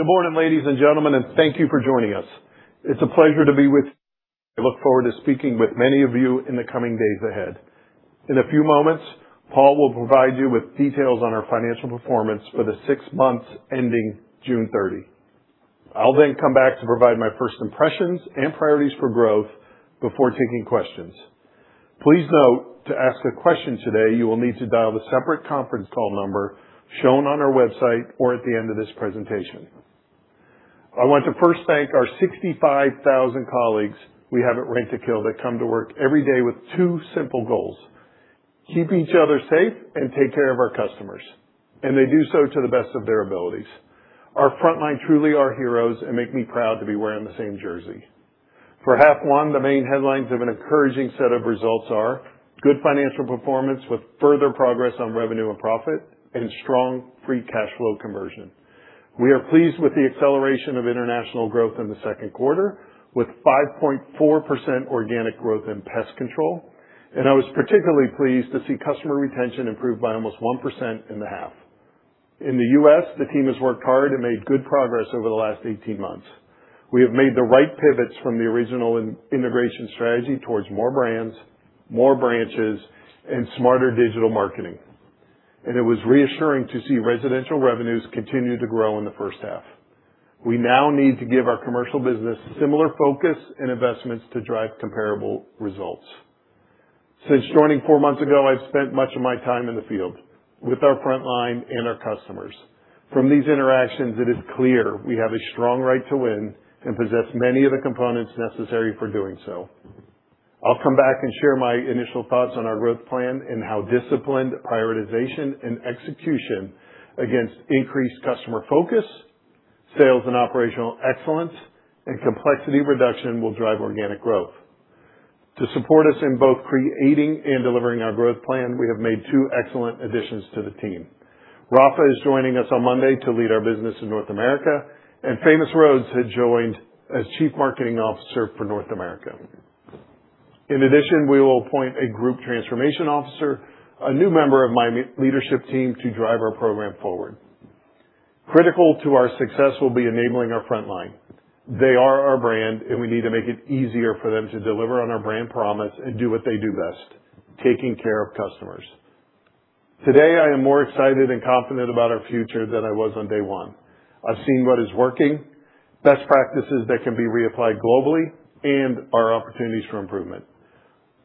Good morning, ladies and gentlemen. Thank you for joining us. It's a pleasure to be with you. I look forward to speaking with many of you in the coming days ahead. In a few moments, Paul will provide you with details on our financial performance for the six months ending June 30. I'll come back to provide my first impressions and priorities for growth before taking questions. Please note, to ask a question today, you will need to dial the separate conference call number shown on our website or at the end of this presentation. I want to first thank our 65,000 colleagues we have at Rentokil that come to work every day with two simple goals, keep each other safe and take care of our customers, and they do so to the best of their abilities. Our frontline truly are heroes and make me proud to be wearing the same jersey. For H1, the main headlines of an encouraging set of results are good financial performance with further progress on revenue and profit, and strong free cash flow conversion. We are pleased with the acceleration of international growth in the Q2, with 5.4% organic growth in pest control. I was particularly pleased to see customer retention improve by almost 1% in the half. In the U.S., the team has worked hard and made good progress over the last 18 months. We have made the right pivots from the original integration strategy towards more brands, more branches, and smarter digital marketing. It was reassuring to see residential revenues continue to grow in the H1. We now need to give our commercial business similar focus and investments to drive comparable results. Since joining four months ago, I've spent much of my time in the field with our front line and our customers. From these interactions, it is clear we have a strong right to win and possess many of the components necessary for doing so. I'll come back and share my initial thoughts on our growth plan and how disciplined prioritization and execution against increased customer focus, sales and operational excellence, and complexity reduction will drive organic growth. To support us in both creating and delivering our growth plan, we have made two excellent additions to the team. Rafa is joining us on Monday to lead our business in North America, and Famous Rhodes has joined as Chief Marketing Officer for North America. In addition, we will appoint a Group Transformation Officer, a new member of my leadership team to drive our program forward. Critical to our success will be enabling our frontline. They are our brand, and we need to make it easier for them to deliver on our brand promise and do what they do best, taking care of customers. Today, I am more excited and confident about our future than I was on day one. I've seen what is working, best practices that can be reapplied globally, and our opportunities for improvement.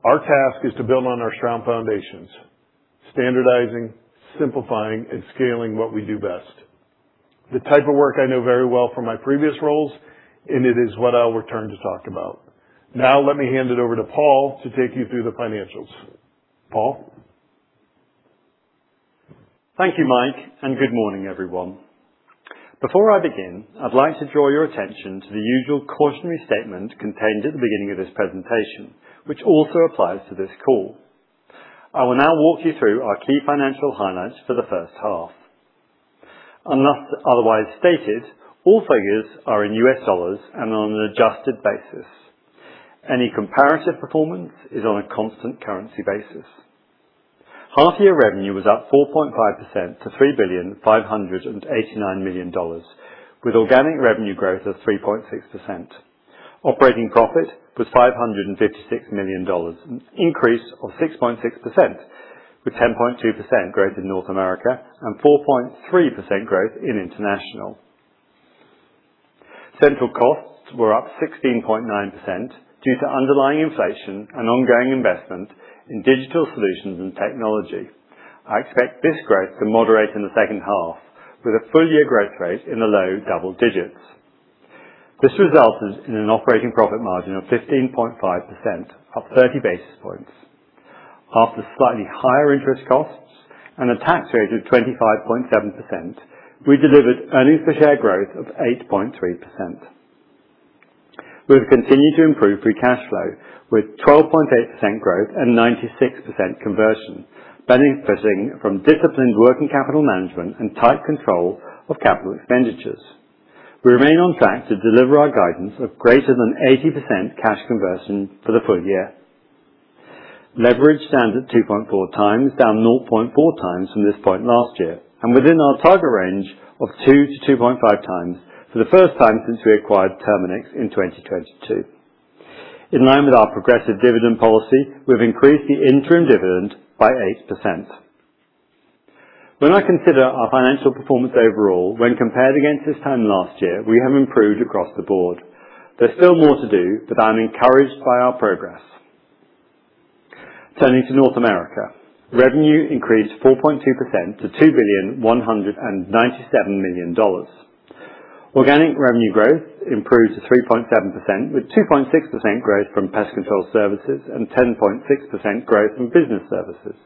Our task is to build on our strong foundations, standardizing, simplifying, and scaling what we do best. The type of work I know very well from my previous roles, and it is what I'll return to talk about. Let me hand it over to Paul to take you through the financials. Paul? Thank you, Mike, and good morning, everyone. Before I begin, I'd like to draw your attention to the usual cautionary statement contained at the beginning of this presentation, which also applies to this call. I will now walk you through our key financial highlights for the H1. Unless otherwise stated, all figures are in U.S. dollars and on an adjusted basis. Any comparative performance is on a constant currency basis. Half-year revenue was up 4.5% to $3,589 million, with organic revenue growth of 3.6%. Operating profit was $556 million, an increase of 6.6%, with 10.2% growth in North America and 4.3% growth in international. Central costs were up 16.9% due to underlying inflation and ongoing investment in digital solutions and technology. I expect this growth to moderate in the H2, with a full-year growth rate in the low double digits. This resulted in an operating profit margin of 15.5%, up 30 basis points. After slightly higher interest costs and a tax rate of 25.7%, we delivered EPS growth of 8.3%. We've continued to improve free cash flow with 12.8% growth and 96% conversion, benefiting from disciplined working capital management and tight control of capital expenditures. We remain on track to deliver our guidance of greater than 80% cash conversion for the full-year. Leverage stands at 2.4x, down 0.4x from this point last year, and within our target range of 2x-2.5x for the first time since we acquired Terminix in 2022. In line with our progressive dividend policy, we've increased the interim dividend by 8%. When I consider our financial performance overall, when compared against this time last year, we have improved across the board. There's still more to do, but I'm encouraged by our progress. Turning to North America, revenue increased 4.2% to $2,197 million. Organic revenue growth improved to 3.7%, with 2.6% growth from Pest Control Services and 10.6% growth from Business Services.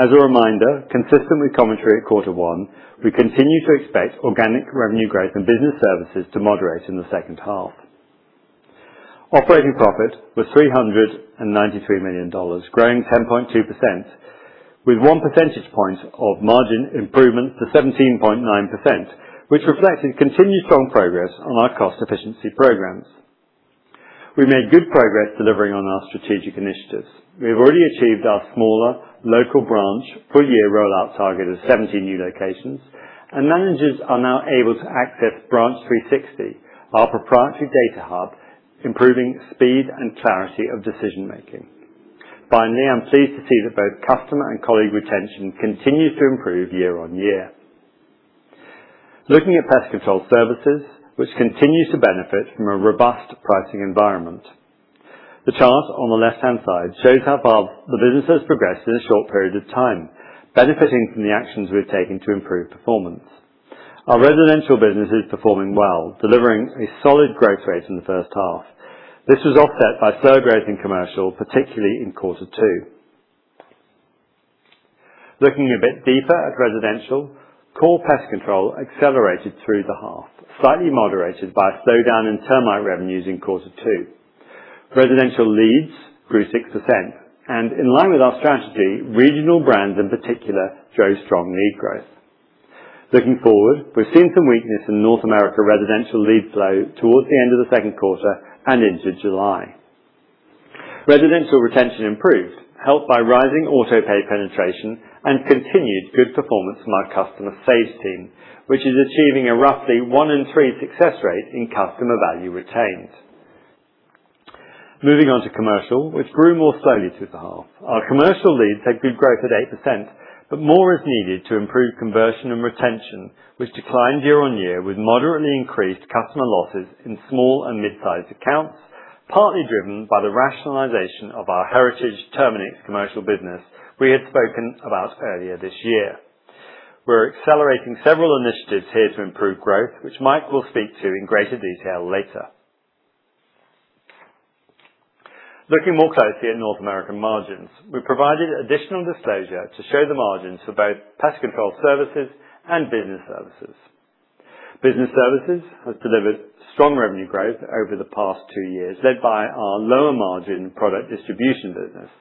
As a reminder, consistent with commentary at Q1, we continue to expect organic revenue growth in Business Services to moderate in the H2. Operating profit was $393 million, growing 10.2%, with 1 percentage point of margin improvement to 17.9%, which reflected continued strong progress on our cost efficiency programs. We've made good progress delivering on our strategic initiatives. We have already achieved our smaller local branch full-year rollout target of 70 new locations, and managers are now able to access Branch 360, our proprietary data hub, improving speed and clarity of decision-making. Finally, I'm pleased to see that both customer and colleague retention continues to improve year-over-year. Looking at Pest Control Services, which continues to benefit from a robust pricing environment. The chart on the left-hand side shows how far the business has progressed in a short period of time, benefiting from the actions we've taken to improve performance. Our residential business is performing well, delivering a solid growth rate in the H1. This was offset by slow growth in commercial, particularly in Q2. Looking a bit deeper at residential, core Pest Control accelerated through the half, slightly moderated by a slowdown in termite revenues in Q2. Residential leads grew 6%, and in line with our strategy, regional brands in particular, drove strong lead growth. Looking forward, we've seen some weakness in North America residential lead flow towards the end of the Q2 and into July. Residential retention improved, helped by rising auto pay penetration and continued good performance from our customer saves team, which is achieving a roughly one in three success rate in customer value retained. Moving on to commercial, which grew more slowly through the half. Our commercial leads had good growth at 8%, but more is needed to improve conversion and retention, which declined year-over-year with moderately increased customer losses in small and mid-sized accounts, partly driven by the rationalization of our heritage Terminix commercial business we had spoken about earlier this year. We're accelerating several initiatives here to improve growth, which Mike Duffy will speak to in greater detail later. Looking more closely at North American margins. We provided additional disclosure to show the margins for both Pest Control Services and Business Services. Business Services has delivered strong revenue growth over the past two years, led by our lower margin product distribution business.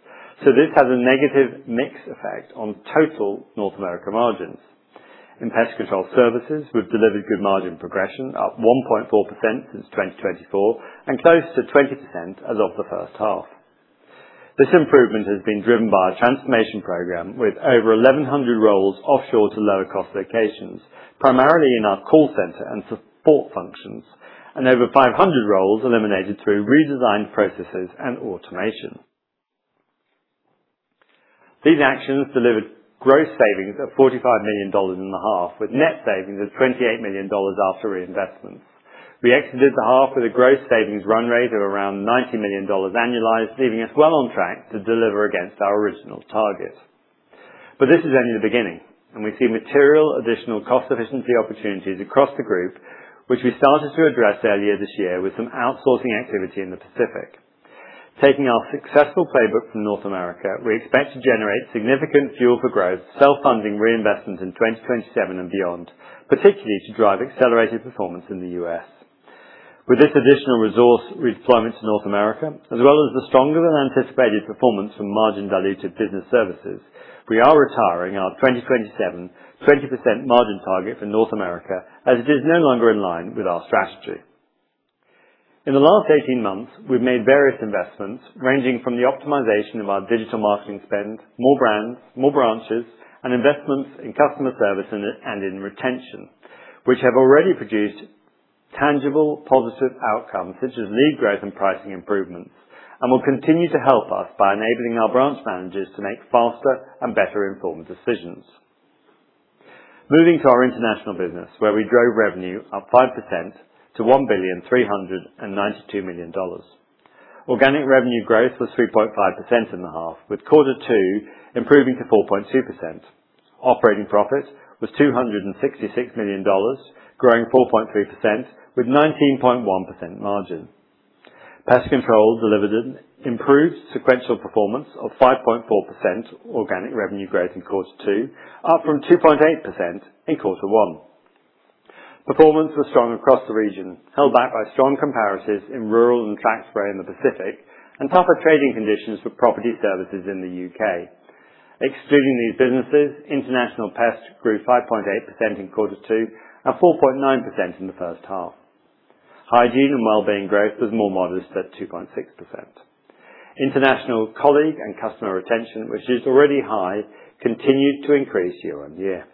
This has a negative mix effect on total North America margins. In Pest Control Services, we've delivered good margin progression, up 1.4% since 2024, and close to 20% as of the H1. This improvement has been driven by a transformation program with over 1,100 roles offshore to lower cost locations, primarily in our call center and support functions, and over 500 roles eliminated through redesigned processes and automation. These actions delivered gross savings of $45 million in the half, with net savings of $28 million after reinvestments. We exited the half with a gross savings run rate of around $90 million annualized, leaving us well on track to deliver against our original target. This is only the beginning, and we see material additional cost efficiency opportunities across the group, which we started to address earlier this year with some outsourcing activity in the Pacific. Taking our successful playbook from North America, we expect to generate significant fuel for growth, self-funding reinvestment in 2027 and beyond, particularly to drive accelerated performance in the U.S. With this additional resource deployment to North America, as well as the stronger than anticipated performance from margin diluted Business Services, we are retiring our 2027 20% margin target for North America as it is no longer in line with our strategy. In the last 18 months, we've made various investments ranging from the optimization of our digital marketing spend, more brands, more branches, and investments in customer service and in retention, which have already produced tangible positive outcomes such as lead growth and pricing improvements, and will continue to help us by enabling our branch managers to make faster and better informed decisions. Moving to our international business, where we drove revenue up 5% to $1.392 billion. Organic revenue growth was 3.5% in the half, with Q2 improving to 4.2%. Operating profit was $266 million, growing 4.3% with 19.1% margin. Pest Control delivered improved sequential performance of 5.4% organic revenue growth in Q2, up from 2.8% in Q1. Performance was strong across the region, held back by strong comparisons in Rural and Track Spray in the Pacific, and tougher trading conditions for property services in the U.K. Excluding these businesses, international Pest Control grew 5.8% in Q2 and 4.9% in the H1. Hygiene & Wellbeing growth was more modest at 2.6%. International colleague and customer retention, which is already high, continued to increase year-over-year.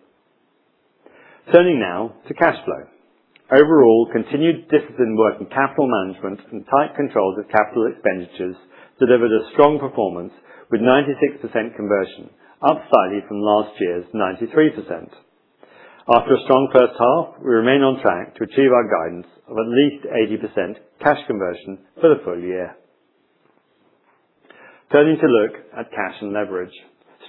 Turning now to cash flow. Overall, continued disciplined work in capital management and tight controls of capital expenditures delivered a strong performance with 96% conversion, up slightly from last year's 93%. After a strong H1, we remain on track to achieve our guidance of at least 80% cash conversion for the full-year. Turning to look at cash and leverage.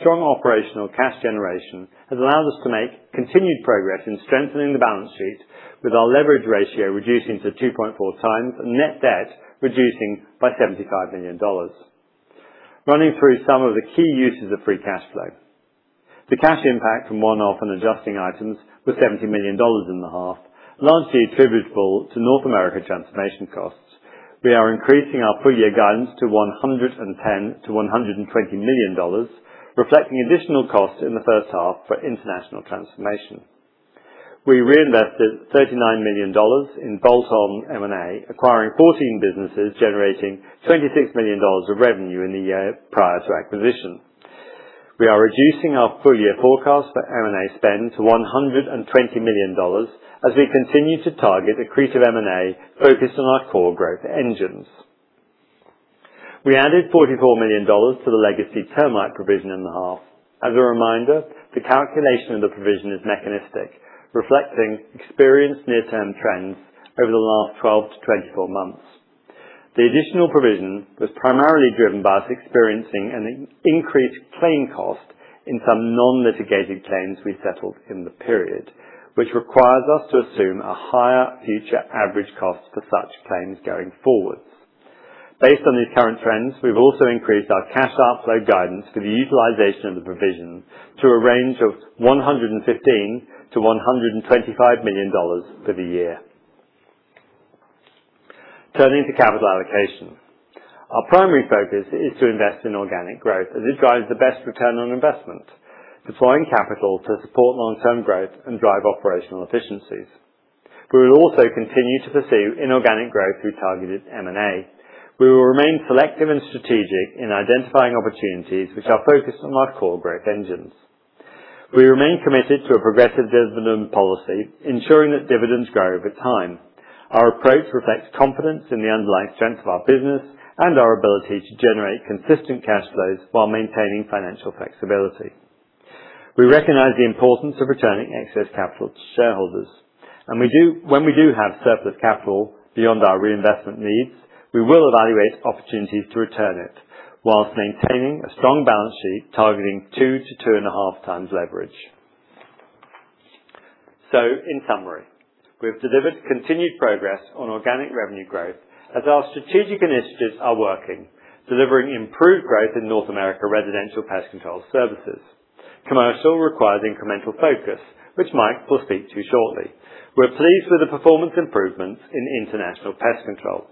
Strong operational cash generation has allowed us to make continued progress in strengthening the balance sheet with our leverage ratio reducing to 2.4x and net debt reducing by $75 million. Running through some of the key uses of free cash flow. The cash impact from one-off and adjusting items was $70 million in the half, largely attributable to North America transformation costs. We are increasing our full-year guidance to $110 million-$120 million, reflecting additional costs in the H1 for international transformation. We reinvested $39 million in bolt-on M&A, acquiring 14 businesses, generating $26 million of revenue in the year prior to acquisition. We are reducing our full-year forecast for M&A spend to $120 million as we continue to target accretive M&A focused on our core growth engines. We added $44 million to the legacy termite provision in the half. As a reminder, the calculation of the provision is mechanistic, reflecting experienced near-term trends over the last 12-24 months. The additional provision was primarily driven by us experiencing an increased claim cost in some non-litigated claims we settled in the period, which requires us to assume a higher future average cost for such claims going forward. Based on these current trends, we've also increased our cash outflow guidance for the utilization of the provision to a range of $115 million-$125 million for the year. Turning to capital allocation. Our primary focus is to invest in organic growth, as it drives the best return on investment, deploying capital to support long-term growth and drive operational efficiencies. We will also continue to pursue inorganic growth through targeted M&A. We will remain selective and strategic in identifying opportunities which are focused on our core growth engines. We remain committed to a progressive dividend policy, ensuring that dividends grow over time. Our approach reflects confidence in the underlying strength of our business and our ability to generate consistent cash flows while maintaining financial flexibility. We recognize the importance of returning excess capital to shareholders. When we do have surplus capital beyond our reinvestment needs, we will evaluate opportunities to return it while maintaining a strong balance sheet targeting 2x-2.5x leverage. In summary, we have delivered continued progress on organic revenue growth as our strategic initiatives are working, delivering improved growth in North America residential Pest Control Services. Commercial requires incremental focus, which Mike will speak to shortly. We're pleased with the performance improvements in international Pest Control.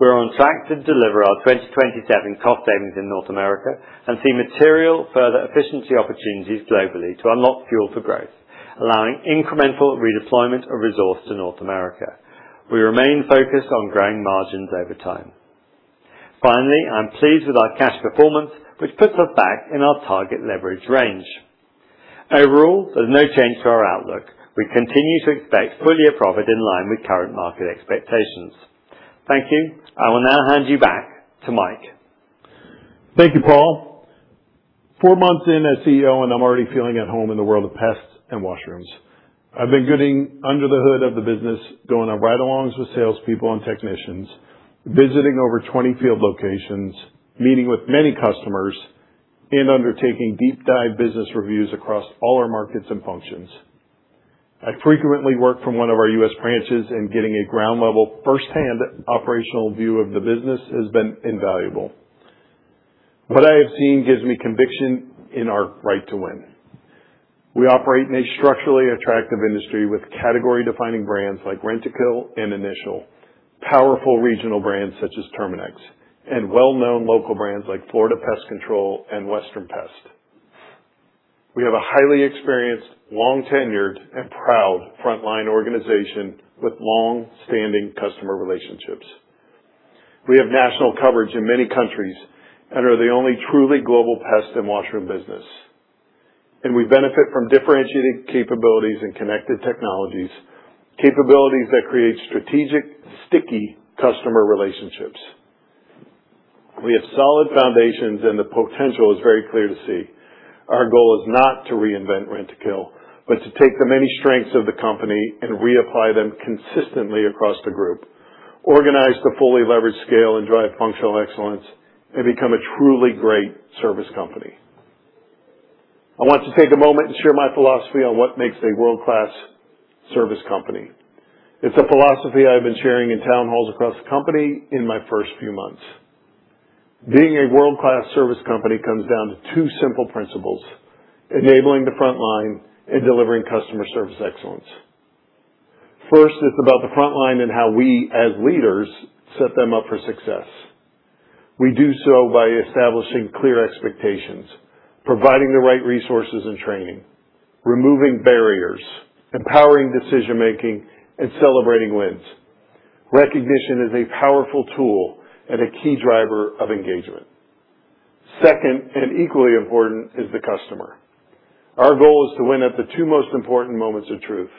We're on track to deliver our 2027 cost savings in North America and see material further efficiency opportunities globally to unlock fuel for growth, allowing incremental redeployment of resource to North America. We remain focused on growing margins over time. Finally, I'm pleased with our cash performance, which puts us back in our target leverage range. Overall, there's no change to our outlook. We continue to expect full-year profit in line with current market expectations. Thank you. I will now hand you back to Mike. Thank you, Paul. Four months in as CEO, and I'm already feeling at home in the world of pests and washrooms. I've been getting under the hood of the business, going on ride-alongs with salespeople and technicians, visiting over 20 field locations, meeting with many customers, and undertaking deep dive business reviews across all our markets and functions. I frequently work from one of our U.S. branches, and getting a ground level, firsthand operational view of the business has been invaluable. What I have seen gives me conviction in our right to win. We operate in a structurally attractive industry with category-defining brands like Rentokil and Initial, powerful regional brands such as Terminix, and well-known local brands like Florida Pest Control and Western Exterminator. We have a highly experienced, long-tenured, and proud frontline organization with long-standing customer relationships. We have national coverage in many countries and are the only truly global pest and washroom business. We benefit from differentiated capabilities and connected technologies, capabilities that create strategic, sticky customer relationships. We have solid foundations, and the potential is very clear to see. Our goal is not to reinvent Rentokil, but to take the many strengths of the company and reapply them consistently across the group, organize the fully leveraged scale and drive functional excellence, and become a truly great service company. I want to take a moment and share my philosophy on what makes a world-class service company. It's a philosophy I've been sharing in town halls across the company in my first few months. Being a world-class service company comes down to two simple principles: enabling the frontline and delivering customer service excellence. First, it's about the frontline and how we, as leaders, set them up for success. We do so by establishing clear expectations, providing the right resources and training, removing barriers, empowering decision-making, and celebrating wins. Recognition is a powerful tool and a key driver of engagement. Second, and equally important, is the customer. Our goal is to win at the two most important moments of truth.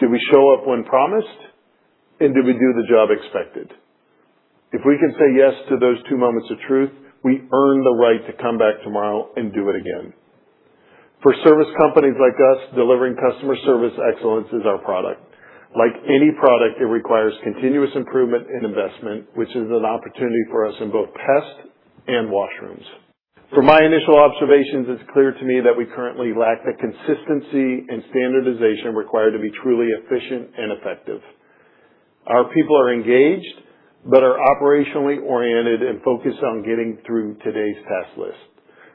Do we show up when promised, and do we do the job expected? If we can say yes to those two moments of truth, we earn the right to come back tomorrow and do it again. For service companies like us, delivering customer service excellence is our product. Like any product, it requires continuous improvement and investment, which is an opportunity for us in both pest and washrooms. From my initial observations, it's clear to me that we currently lack the consistency and standardization required to be truly efficient and effective. Our people are engaged but are operationally oriented and focused on getting through today's task list.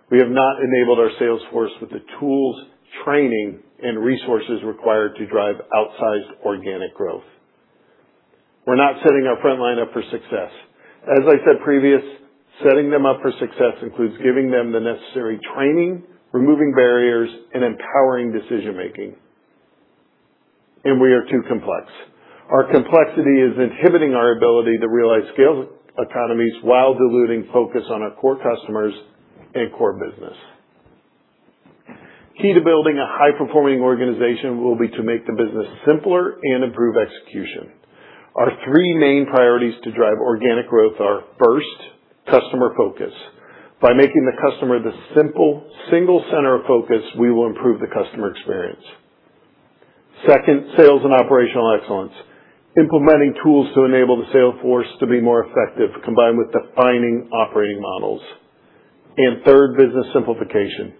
We have not enabled our sales force with the tools, training, and resources required to drive outsized organic growth. We're not setting our frontline up for success. As I said previous, setting them up for success includes giving them the necessary training, removing barriers, and empowering decision-making. We are too complex. Our complexity is inhibiting our ability to realize scale economies while diluting focus on our core customers and core business. Key to building a high-performing organization will be to make the business simpler and improve execution. Our three main priorities to drive organic growth are, first, customer focus. By making the customer the simple, single center of focus, we will improve the customer experience. Second, sales and operational excellence. Implementing tools to enable the sales force to be more effective, combined with defining operating models. Third, business simplification.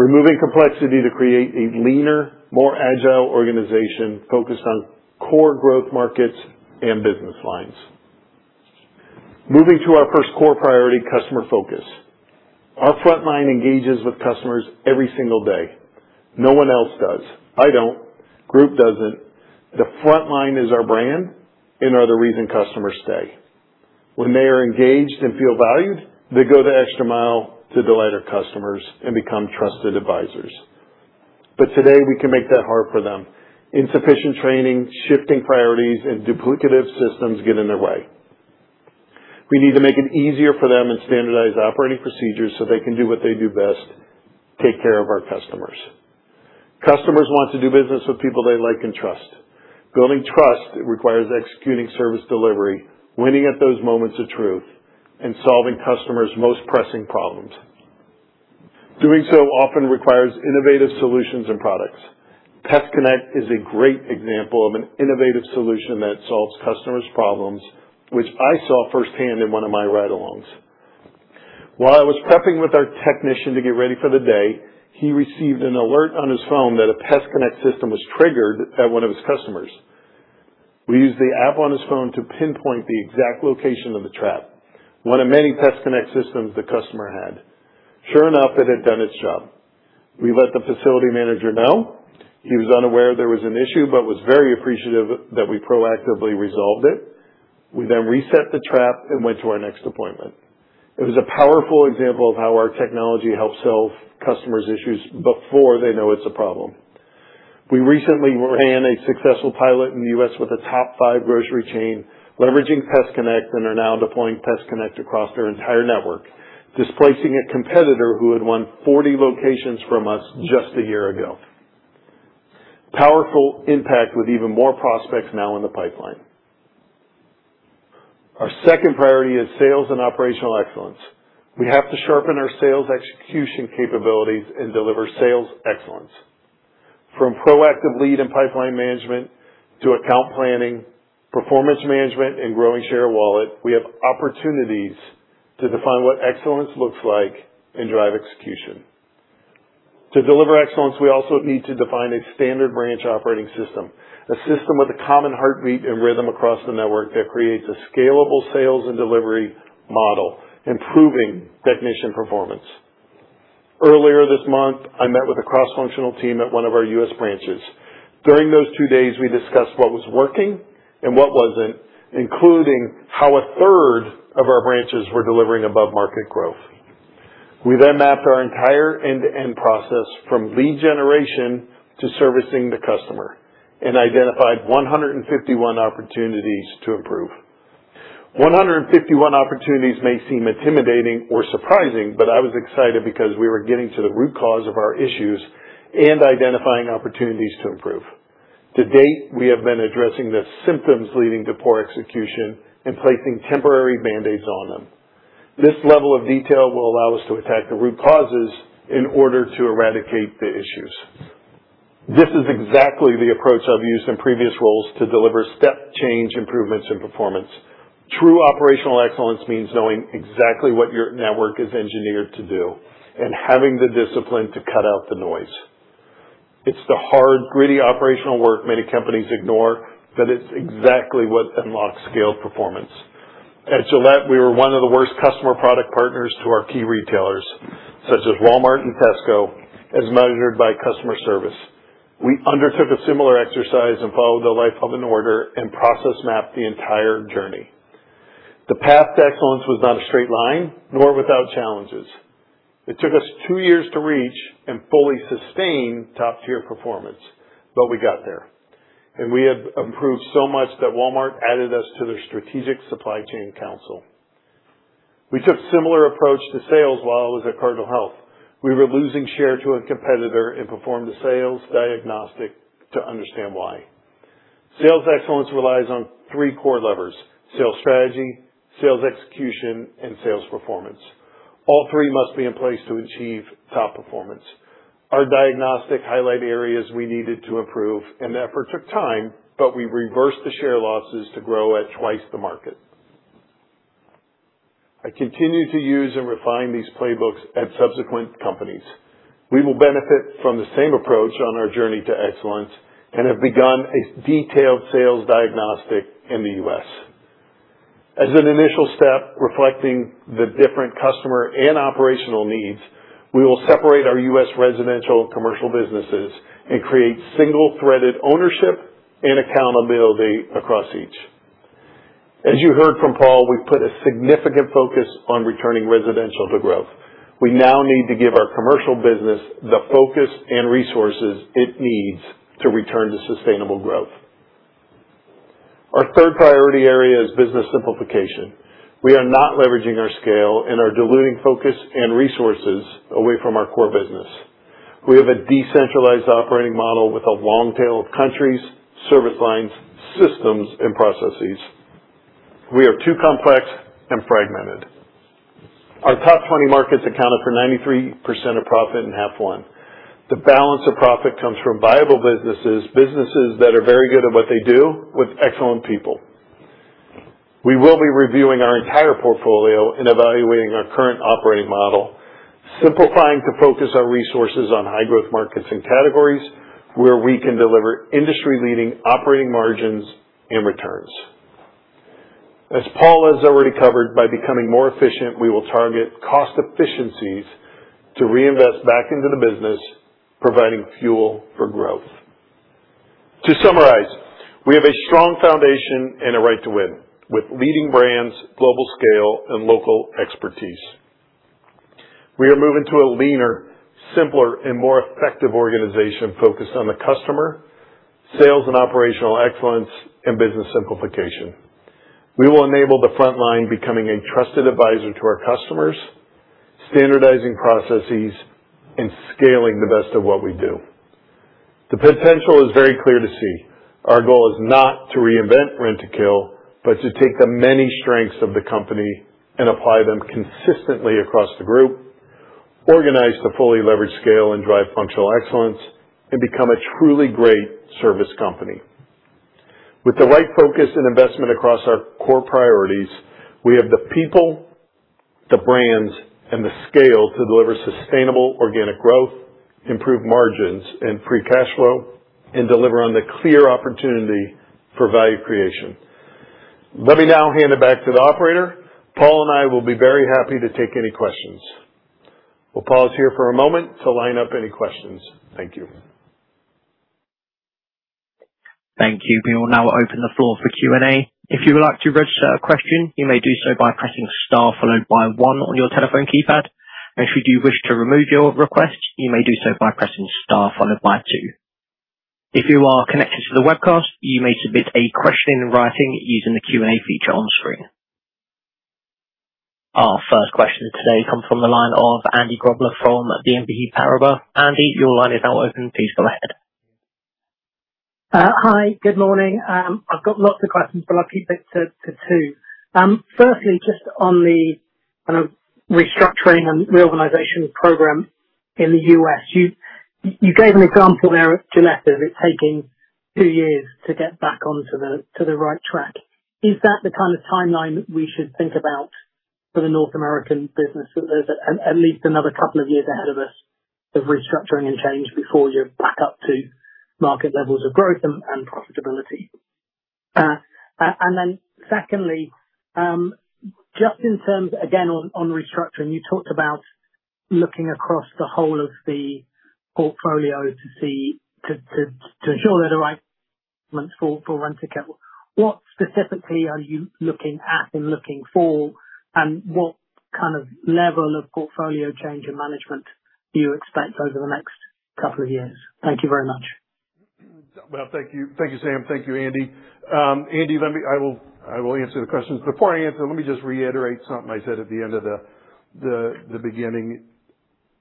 Removing complexity to create a leaner, more agile organization focused on core growth markets and business lines. Moving to our first core priority, customer focus. Our frontline engages with customers every single day. No one else does. I don't. Group doesn't. The frontline is our brand and are the reason customers stay. When they are engaged and feel valued, they go the extra mile to delight our customers and become trusted advisors. Today, we can make that hard for them. Insufficient training, shifting priorities, and duplicative systems get in their way. We need to make it easier for them and standardize operating procedures so they can do what they do best: take care of our customers. Customers want to do business with people they like and trust. Building trust requires executing service delivery, winning at those moments of truth, and solving customers' most pressing problems. Doing so often requires innovative solutions and products. PestConnect is a great example of an innovative solution that solves customers' problems, which I saw firsthand in one of my ride-alongs. While I was prepping with our technician to get ready for the day, he received an alert on his phone that a PestConnect system was triggered at one of his customers. We used the app on his phone to pinpoint the exact location of the trap, one of many PestConnect systems the customer had. Sure enough, it had done its job. We let the facility manager know. He was unaware there was an issue, but was very appreciative that we proactively resolved it. We then reset the trap and went to our next appointment. It was a powerful example of how our technology helps solve customers' issues before they know it's a problem. We recently ran a successful pilot in the U.S. with a top five grocery chain leveraging PestConnect and are now deploying PestConnect across their entire network, displacing a competitor who had won 40 locations from us just a year ago. Powerful impact with even more prospects now in the pipeline. Our second priority is sales and operational excellence. We have to sharpen our sales execution capabilities and deliver sales excellence. From proactive lead and pipeline management to account planning, performance management, and growing share wallet, we have opportunities to define what excellence looks like and drive execution. To deliver excellence, we also need to define a standard branch operating system, a system with a common heartbeat and rhythm across the network that creates a scalable sales and delivery model, improving technician performance. Earlier this month, I met with a cross-functional team at one of our U.S. branches. During those two days, we discussed what was working and what wasn't, including how a third of our branches were delivering above-market growth. We mapped our entire end-to-end process from lead generation to servicing the customer and identified 151 opportunities to improve. 151 opportunities may seem intimidating or surprising, but I was excited because we were getting to the root cause of our issues and identifying opportunities to improve. To date, we have been addressing the symptoms leading to poor execution and placing temporary band-aids on them. This level of detail will allow us to attack the root causes in order to eradicate the issues. This is exactly the approach I've used in previous roles to deliver step change improvements in performance. True operational excellence means knowing exactly what your network is engineered to do and having the discipline to cut out the noise. It's the hard, gritty, operational work many companies ignore, but it's exactly what unlocks scale performance. At Gillette, we were one of the worst customer product partners to our key retailers, such as Walmart and Tesco, as measured by customer service. We undertook a similar exercise and followed the life of an order and process mapped the entire journey. The path to excellence was not a straight line, nor without challenges. It took us two years to reach and fully sustain top-tier performance, but we got there, and we have improved so much that Walmart added us to their strategic supply chain council. We took similar approach to sales while I was at Cardinal Health. We were losing share to a competitor and performed a sales diagnostic to understand why. Sales excellence relies on three core levers: sales strategy, sales execution, and sales performance. All three must be in place to achieve top performance. Our diagnostic highlighted areas we needed to improve, and the effort took time, but we reversed the share losses to grow at twice the market. I continued to use and refine these playbooks at subsequent companies. We will benefit from the same approach on our journey to excellence and have begun a detailed sales diagnostic in the U.S. As an initial step reflecting the different customer and operational needs, we will separate our U.S. residential and commercial businesses and create single-threaded ownership and accountability across each. As you heard from Paul, we've put a significant focus on returning residential to growth. We now need to give our commercial business the focus and resources it needs to return to sustainable growth. Our third priority area is business simplification. We are not leveraging our scale and are diluting focus and resources away from our core business. We have a decentralized operating model with a long tail of countries, service lines, systems, and processes. We are too complex and fragmented. Our top 20 markets accounted for 93% of profit in H1. The balance of profit comes from viable businesses that are very good at what they do with excellent people. We will be reviewing our entire portfolio and evaluating our current operating model, simplifying to focus our resources on high growth markets and categories where we can deliver industry-leading operating margins and returns. As Paul has already covered, by becoming more efficient, we will target cost efficiencies to reinvest back into the business, providing fuel for growth. To summarize, we have a strong foundation and a right to win with leading brands, global scale, and local expertise. We are moving to a leaner, simpler, and more effective organization focused on the customer, sales and operational excellence, and business simplification. We will enable the front line becoming a trusted advisor to our customers, standardizing processes, and scaling the best of what we do. The potential is very clear to see. Our goal is not to reinvent Rentokil, but to take the many strengths of the company and apply them consistently across the group, organize the fully leveraged scale and drive functional excellence, and become a truly great service company. With the right focus and investment across our core priorities, we have the people, the brands, and the scale to deliver sustainable organic growth, improve margins and free cash flow, and deliver on the clear opportunity for value creation. Let me now hand it back to the operator. Paul and I will be very happy to take any questions. We'll pause here for a moment to line up any questions. Thank you. Thank you. We will now open the floor for Q&A. If you would like to register a question, you may do so by pressing star followed by one on your telephone keypad. If you do wish to remove your request, you may do so by pressing star followed by two. If you are connected to the webcast, you may submit a question in writing using the Q&A feature on screen. Our first question today comes from the line of Andrew Grobler from BNP Paribas. Andy, your line is now open. Please go ahead. Hi. Good morning. I've got lots of questions, but I'll keep it to two. Firstly, just on the restructuring and reorganization program in the U.S. You gave an example there of Gillette of it taking two years to get back onto the right track. Is that the kind of timeline we should think about for the North American business? That there's at least another couple of years ahead of us of restructuring and change before you're back up to market levels of growth and profitability. Secondly, just in terms again on restructuring, you talked about looking across the whole of the portfolio to ensure they're the right ones for Rentokil. What specifically are you looking at and looking for, and what kind of level of portfolio change and management do you expect over the next couple of years? Thank you very much. Thank you, Sam. Thank you, Andy. Andy, I will answer the questions. Before I answer, let me just reiterate something I said at the end of the beginning.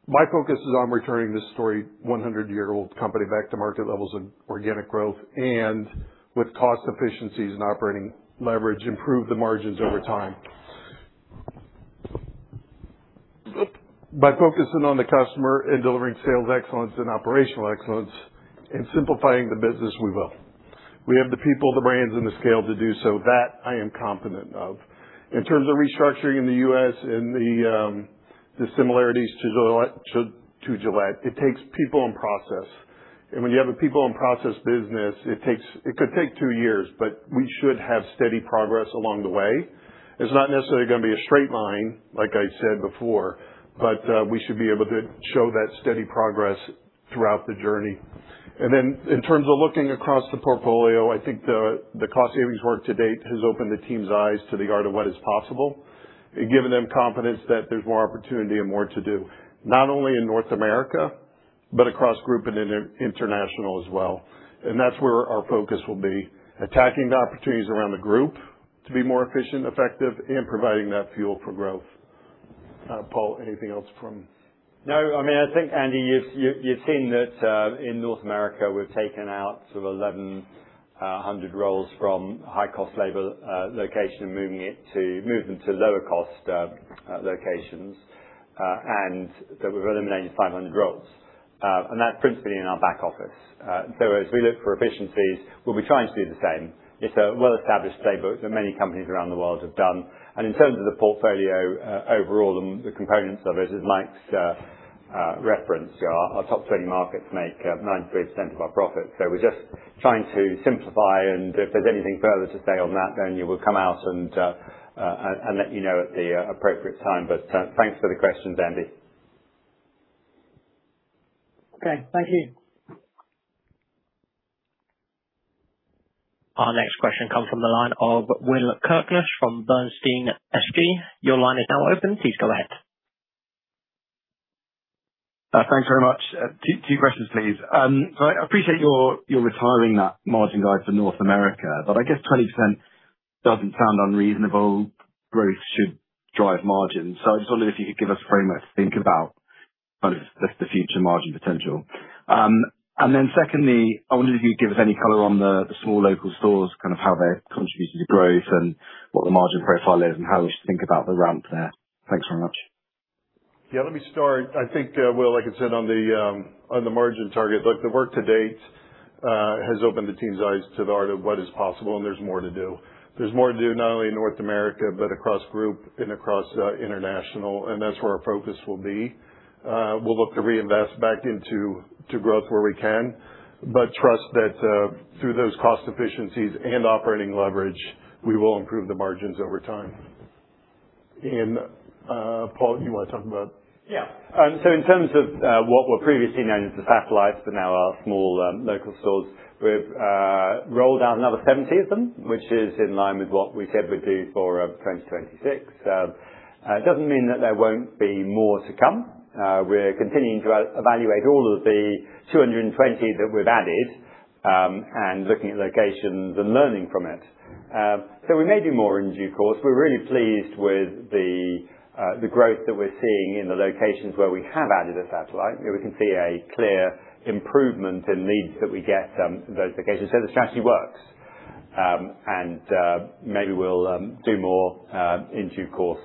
My focus is on returning this story, 100-year-old company, back to market levels and organic growth, and with cost efficiencies and operating leverage, improve the margins over time. By focusing on the customer and delivering sales excellence and operational excellence and simplifying the business, we will. We have the people, the brands, and the scale to do so. That I am confident of. In terms of restructuring in the U.S. and the similarities to Gillette, it takes people and process. When you have a people and process business, it could take two years, but we should have steady progress along the way. It's not necessarily going to be a straight line, like I said before, but we should be able to show that steady progress throughout the journey. In terms of looking across the portfolio, I think the cost savings work to date has opened the team's eyes to the art of what is possible and given them confidence that there's more opportunity and more to do, not only in North America, but across group and international as well. That's where our focus will be, attacking the opportunities around the group to be more efficient, effective, and providing that fuel for growth. Paul, anything else from No. I think, Andy, you've seen that in North America, we've taken out sort of 1,100 roles from high-cost labor location and moved them to lower cost locations, and that we've eliminated 500 roles. That's principally in our back office. As we look for efficiencies, we'll be trying to do the same. It's a well-established playbook that many companies around the world have done. In terms of the portfolio overall, the components of it, as Mike said - referenced our top 20 markets make 93% of our profit. We're just trying to simplify, if there's anything further to say on that, then we'll come out and let you know at the appropriate time. Thanks for the questions, Andy. Okay. Thank you. Our next question comes from the line of Will Kirkness from Bernstein. Your line is now open. Please go ahead. Thanks very much. Two questions, please. I appreciate your retiring that margin guide for North America, but I guess 20% doesn't sound unreasonable. Growth should drive margins. I just wonder if you could give us a framework to think about the future margin potential. Secondly, I wondered if you could give us any color on the small local stores, kind of how they're contributing to growth and what the margin profile is and how we should think about the ramp there. Thanks very much. Yeah. Let me start. I think, Will, like I said on the margin target, look, the work to date has opened the team's eyes to the art of what is possible, and there's more to do. There's more to do not only in North America, but across group and across international, and that's where our focus will be. We'll look to reinvest back into growth where we can. But trust that through those cost efficiencies and operating leverage, we will improve the margins over time. Paul, you want to talk about Yeah. In terms of what were previously known as the satellites, but now are small local stores, we've rolled out another 70 of them, which is in line with what we said we'd do for 2026. It doesn't mean that there won't be more to come. We're continuing to evaluate all of the 220 that we've added, and looking at locations and learning from it. We may do more in due course. We're really pleased with the growth that we're seeing in the locations where we have added a satellite, where we can see a clear improvement in leads that we get from those locations. The strategy works. Maybe we'll do more in due course.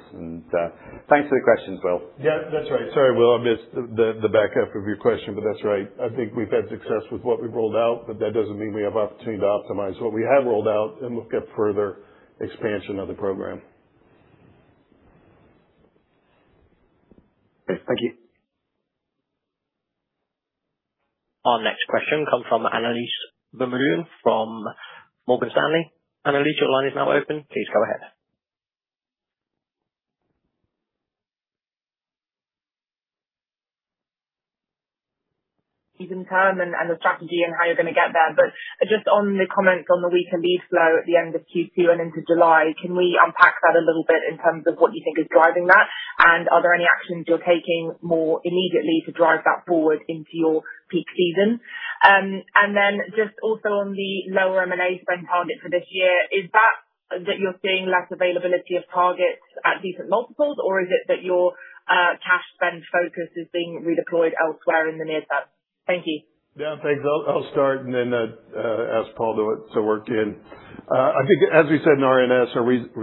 Thanks for the questions, Will. Yeah. That's right. Sorry, Will, I missed the back half of your question, but that's right. I think we've had success with what we've rolled out, but that doesn't mean we have opportunity to optimize what we have rolled out and look at further expansion of the program. Great. Thank you. Our next question comes from Annelies Vermeulen from Morgan Stanley. Annelies, your line is now open. Please go ahead. Keep in term and the strategy and how you're going to get there. Just on the comments on the weaker lead flow at the end of Q2 and into July, can we unpack that a little bit in terms of what you think is driving that? Are there any actions you're taking more immediately to drive that forward into your peak season? Then just also on the lower M&A spend target for this year. Is that you're seeing less availability of targets at decent multiples, or is it that your cash spend focus is being redeployed elsewhere in the near term? Thank you. Yeah, thanks. I'll start and then ask Paul to work in. I think as we said in our NS,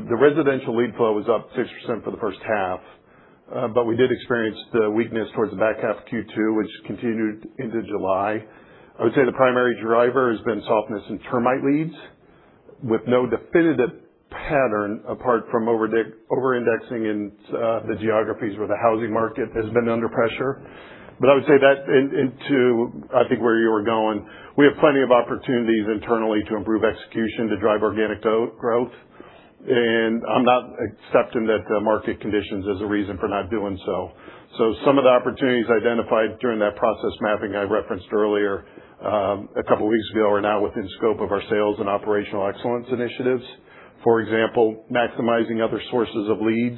the residential lead flow was up 6% for the H1. We did experience the weakness towards the back half of Q2, which continued into July. I would say the primary driver has been softness in termite leads with no definitive pattern apart from over-indexing in the geographies where the housing market has been under pressure. I would say that into, I think, where you were going. We have plenty of opportunities internally to improve execution to drive organic growth. I'm not accepting that the market conditions is a reason for not doing so. Some of the opportunities identified during that process mapping I referenced earlier, a couple of weeks ago are now within scope of our sales and operational excellence initiatives. For example, maximizing other sources of leads,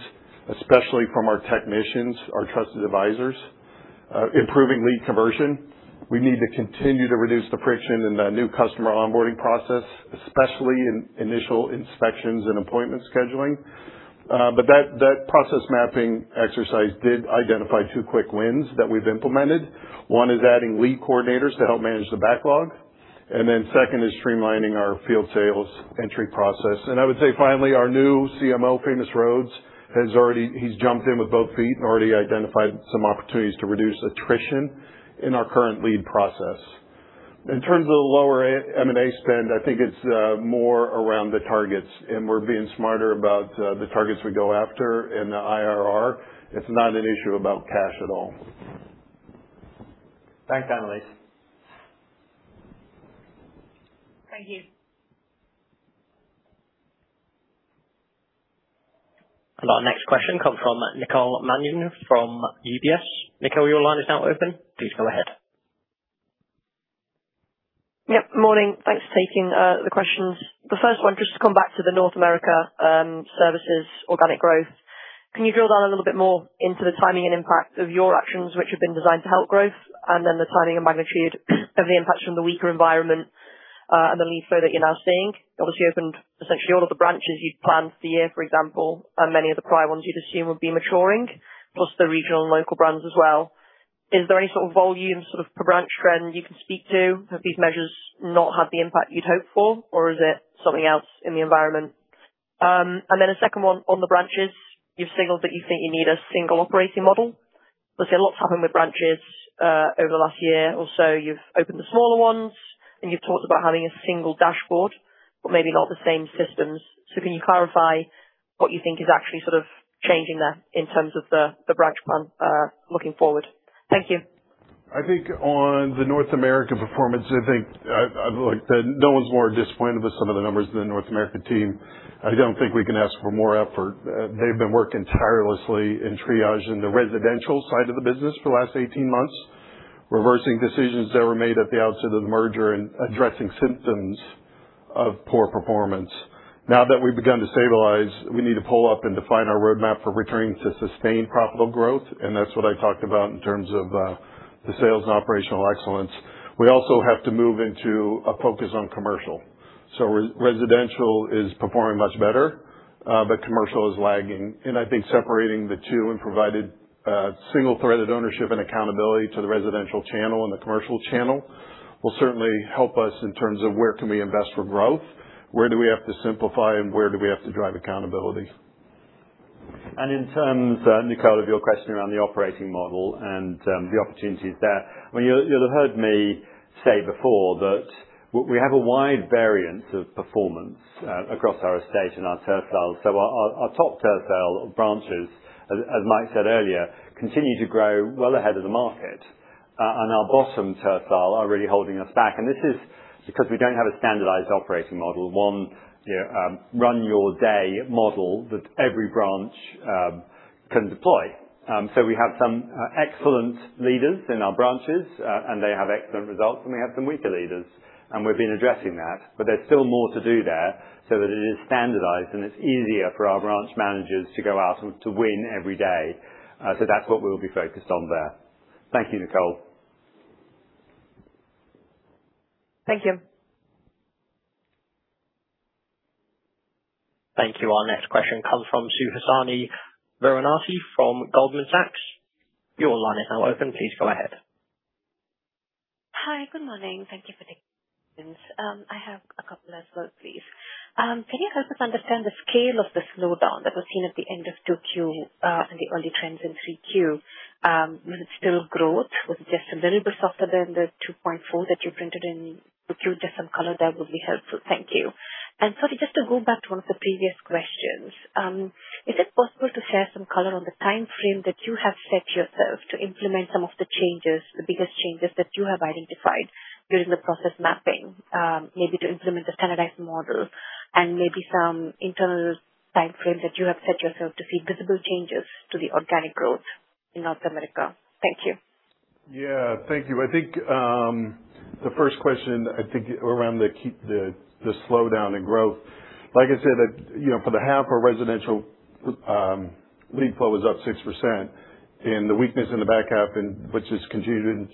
especially from our technicians, our trusted advisors. Improving lead conversion. We need to continue to reduce the friction in the new customer onboarding process, especially in initial inspections and appointment scheduling. That process mapping exercise did identify two quick wins that we've implemented. One is adding lead coordinators to help manage the backlog. Second is streamlining our field sales entry process. I would say, finally, our new CMO, Famous Rhodes, he's jumped in with both feet and already identified some opportunities to reduce attrition in our current lead process. In terms of the lower M&A spend, I think it's more around the targets, we're being smarter about the targets we go after and the IRR. It's not an issue about cash at all. Thanks, Annelies. Thank you. Our next question comes from Nicole Manion from UBS. Nicole, your line is now open. Please go ahead. Yep. Morning. Thanks for taking the questions. The first one, just to come back to the North America services organic growth. Can you drill down a little bit more into the timing and impact of your actions, which have been designed to help growth, then the timing and magnitude of the impacts from the weaker environment, and the lead flow that you're now seeing? You obviously opened essentially all of the branches you'd planned for the year, for example, and many of the prior ones you'd assume would be maturing, plus the regional and local brands as well. Is there any sort of volume sort of per-branch trend you can speak to? Have these measures not had the impact you'd hoped for, or is it something else in the environment? Then a second one on the branches. You've signaled that you think you need a single operating model. Obviously, a lot's happened with branches over the last year or so. You've opened the smaller ones, you've talked about having a single dashboard. Maybe not the same systems. Can you clarify what you think is actually changing there in terms of the branch plan looking forward? Thank you. I think on the North America performance, no one's more disappointed with some of the numbers than the North American team. I don't think we can ask for more effort. They've been working tirelessly in triaging the residential side of the business for the last 18 months, reversing decisions that were made at the outset of the merger, and addressing symptoms of poor performance. Now that we've begun to stabilize, we need to pull up and define our roadmap for returning to sustained profitable growth. That's what I talked about in terms of the sales and operational excellence. We also have to move into a focus on commercial. Residential is performing much better, but commercial is lagging. I think separating the two and providing single-threaded ownership and accountability to the residential channel and the commercial channel will certainly help us in terms of where can we invest for growth, where do we have to simplify, and where do we have to drive accountability. In terms, Nicole, of your question around the operating model and the opportunities there. You'll have heard me say before that we have a wide variance of performance across our estate and our tertiles. Our top tertile branches, as Mike said earlier, continue to grow well ahead of the market. Our bottom tertile are really holding us back. This is because we don't have a standardized operating model, one run your day model that every branch can deploy. We have some excellent leaders in our branches, and they have excellent results, and we have some weaker leaders, and we've been addressing that. There's still more to do there so that it is standardized, and it's easier for our branch managers to go out and to win every day. That's what we'll be focused on there. Thank you, Nicole. Thank you. Thank you. Our next question comes from Suhasini Varanasi from Goldman Sachs. Your line is now open. Please go ahead. Hi. Good morning. Thank you for taking my questions. I have a couple as well, please. Can you help us understand the scale of the slowdown that was seen at the end of Q2, and the early trends in Q3? Was it still growth? Was it just a little bit softer than the 2.4 that you printed in Q2? Just some color there would be helpful. Thank you. Sorry, just to go back to one of the previous questions. Is it possible to share some color on the timeframe that you have set yourself to implement some of the changes, the biggest changes that you have identified during the process mapping maybe to implement the standardized model? Maybe some internal timeframe that you have set yourself to see visible changes to the organic growth in North America. Thank you. Yeah. Thank you. I think the first question around the slowdown in growth. Like I said, for the half, our residential lead flow was up 6%. The weakness in the back half, which has continued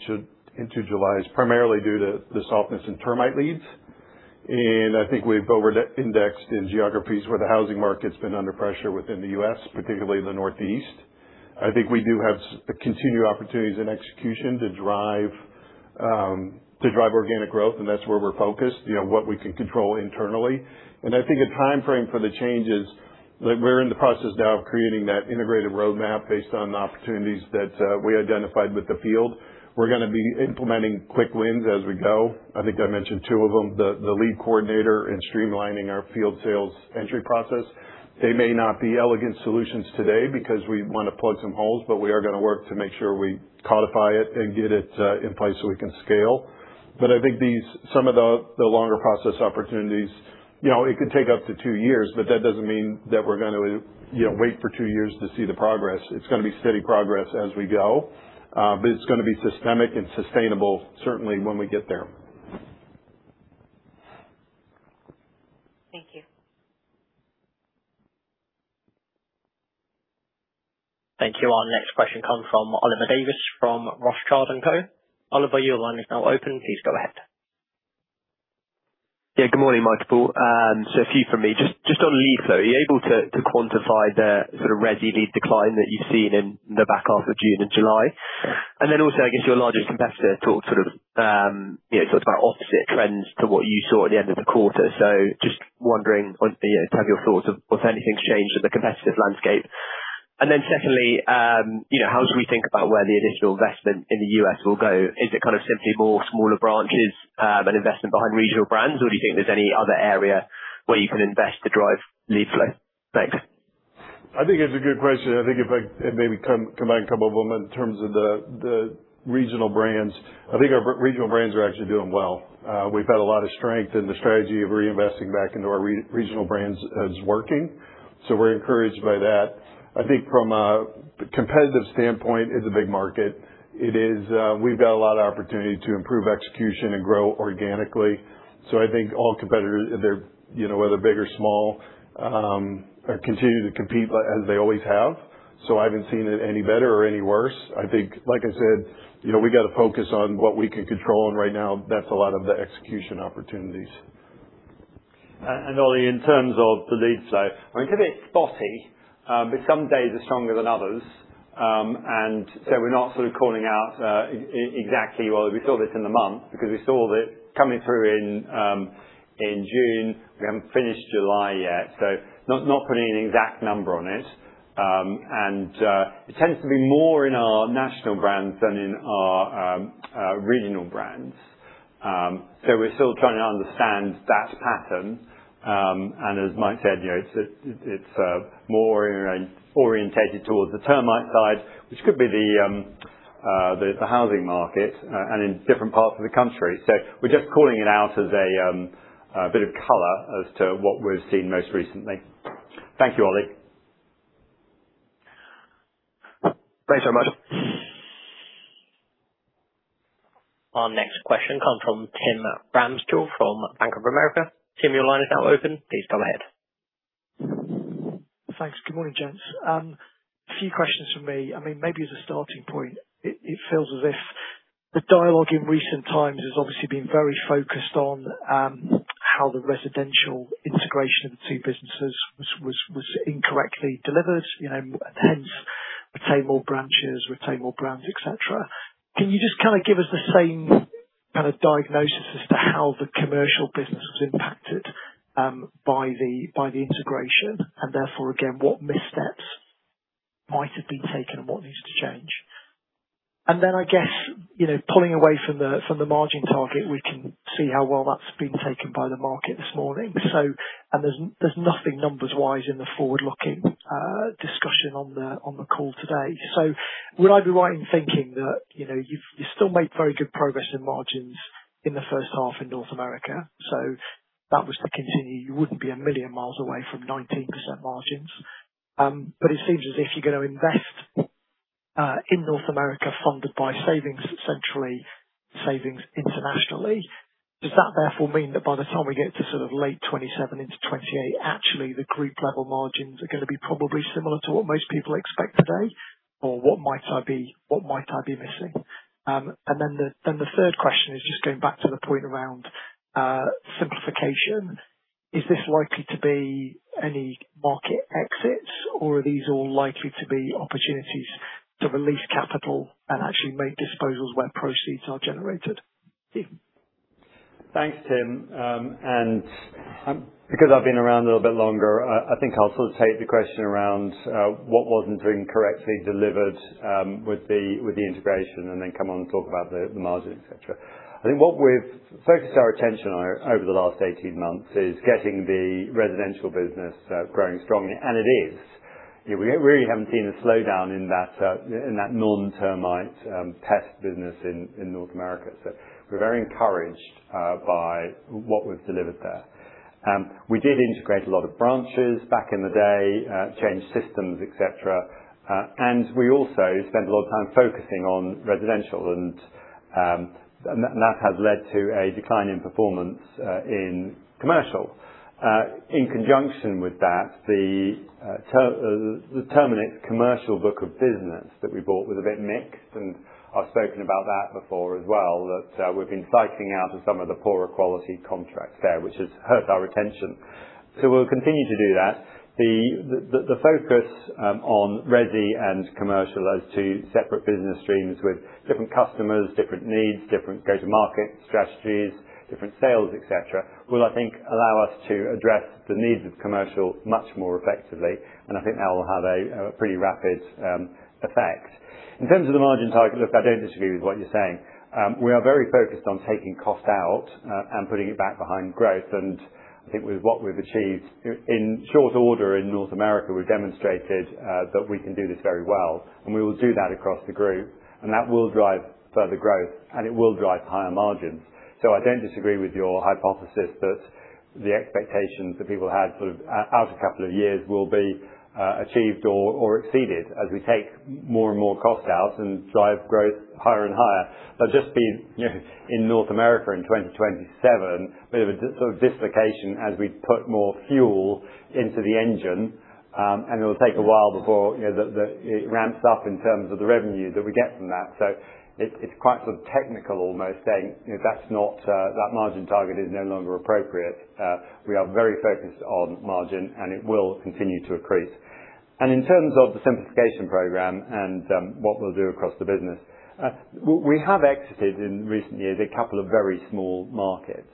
into July, is primarily due to the softness in termite leads. I think we've over-indexed in geographies where the housing market's been under pressure within the U.S., particularly the Northeast. I think we do have continued opportunities in execution to drive organic growth, that's where we're focused, what we can control internally. I think a timeframe for the changes, we're in the process now of creating that integrated roadmap based on the opportunities that we identified with the field. We're going to be implementing quick wins as we go. I think I mentioned two of them, the lead coordinator and streamlining our field sales entry process. They may not be elegant solutions today because we want to plug some holes. We are going to work to make sure we codify it and get it in place so we can scale. I think some of the longer process opportunities it could take up to two years. That doesn't mean that we're going to wait for two years to see the progress. It's going to be steady progress as we go. It's going to be systemic and sustainable, certainly when we get there. Thank you. Thank you. Our next question comes from Oliver Davies from Rothschild & Co. Oliver, your line is now open. Please go ahead. Yeah, good morning, Mike, Paul. A few from me. Just on lead flow, are you able to quantify the sort of [inaudible] lead decline that you've seen in the back half of June and July? Also, I guess your largest competitor talked about opposite trends to what you saw at the end of the quarter. Just wondering have your thoughts of authentic change in the competitive landscape. Secondly, how should we think about where the additional investment in the U.S. will go? Is it simply more smaller branches, but investment behind regional brands? Do you think there's any other area where you can invest to drive lead flow? Thanks. I think it's a good question. I think if I maybe come back in terms of the regional brands. I think our regional brands are actually doing well. We've had a lot of strength in the strategy of reinvesting back into our regional brands as working. We're encouraged by that. I think from a competitive standpoint, it's a big market. We've got a lot of opportunity to improve execution and grow organically. I think all competitors, whether big or small, are continuing to compete as they always have. I haven't seen it any better or any worse. I think, like I said, we got to focus on what we can control, and right now, that's a lot of the execution opportunities. Ollie, in terms of the lead side, it's a bit spotty. Some days are stronger than others. We're not calling out exactly, well, we saw this in the month because we saw this coming through in June. We haven't finished July yet, not putting an exact number on it. It tends to be more in our national brands than in our regional brands. We're still trying to understand that pattern. As Mike said, it's more orientated towards the termite side, which could be the housing market and in different parts of the country. We're just calling it out as a bit of color as to what we're seeing most recently. Thank you, Ollie. Thanks very much. Our next question comes from Tim Ramskill from Bank of America. Tim, your line is now open. Please go ahead. Thanks. Good morning, gents. A few questions from me. Maybe as a starting point, it feels as if the dialogue in recent times has obviously been very focused on how the residential integration of the two businesses was incorrectly delivered, hence retain more branches, retain more brands, et cetera. Can you just give us the same kind of diagnosis as to how the commercial business was impacted by the integration, and therefore again, what missteps might have been taken and what needs to change? Then, pulling away from the margin target, we can see how well that's been taken by the market this morning. There's nothing numbers-wise in the forward-looking discussion on the call today. Would I be right in thinking that you still make very good progress in margins in the H1 in North America? If that was to continue, you wouldn't be a million miles away from 19% margins. It seems as if you're going to invest in North America funded by savings, essentially savings internationally. Does that therefore mean that by the time we get to late 2027 into 2028, actually, the group level margins are going to be probably similar to what most people expect today? What might I be missing? Then the third question is just going back to the point around simplification. Is this likely to be any market exits, or are these all likely to be opportunities to release capital and actually make disposals where proceeds are generated? [inaudible] Thanks, Tim. Because I've been around a little bit longer, I think I'll take the question around what wasn't being correctly delivered with the integration, and then come on and talk about the margin, et cetera. I think what we've focused our attention on over the last 18 months is getting the residential business growing strongly. It is. We really haven't seen a slowdown in that non-termite pest business in North America. We're very encouraged by what we've delivered there. We did integrate a lot of branches back in the day, change systems, et cetera. We also spent a lot of time focusing on residential, and that has led to a decline in performance in commercial. In conjunction with that, the Terminix commercial book of business that we bought was a bit mixed. I've spoken about that before as well, that we've been cycling out of some of the poorer quality contracts there, which has hurt our retention. We'll continue to do that. The focus on resi and commercial as two separate business streams with different customers, different needs, different go-to market strategies, different sales, et cetera, will, I think, allow us to address the needs of commercial much more effectively, and I think that will have a pretty rapid effect. In terms of the margin target, look, I don't disagree with what you're saying. We are very focused on taking cost out and putting it back behind growth. I think with what we've achieved in short order in North America, we've demonstrated that we can do this very well. We will do that across the group, and that will drive further growth, and it will drive higher margins. I don't disagree with your hypothesis that the expectations that people had out a couple of years will be achieved or exceeded as we take more and more costs out and drive growth higher and higher. Just be in North America in 2027, a bit of a dislocation as we put more fuel into the engine, and it will take a while before it ramps up in terms of the revenue that we get from that. It's quite technical almost saying that margin target is no longer appropriate. We are very focused on margin, and it will continue to increase. In terms of the simplification program and what we'll do across the business, we have exited in recent years a couple of very small markets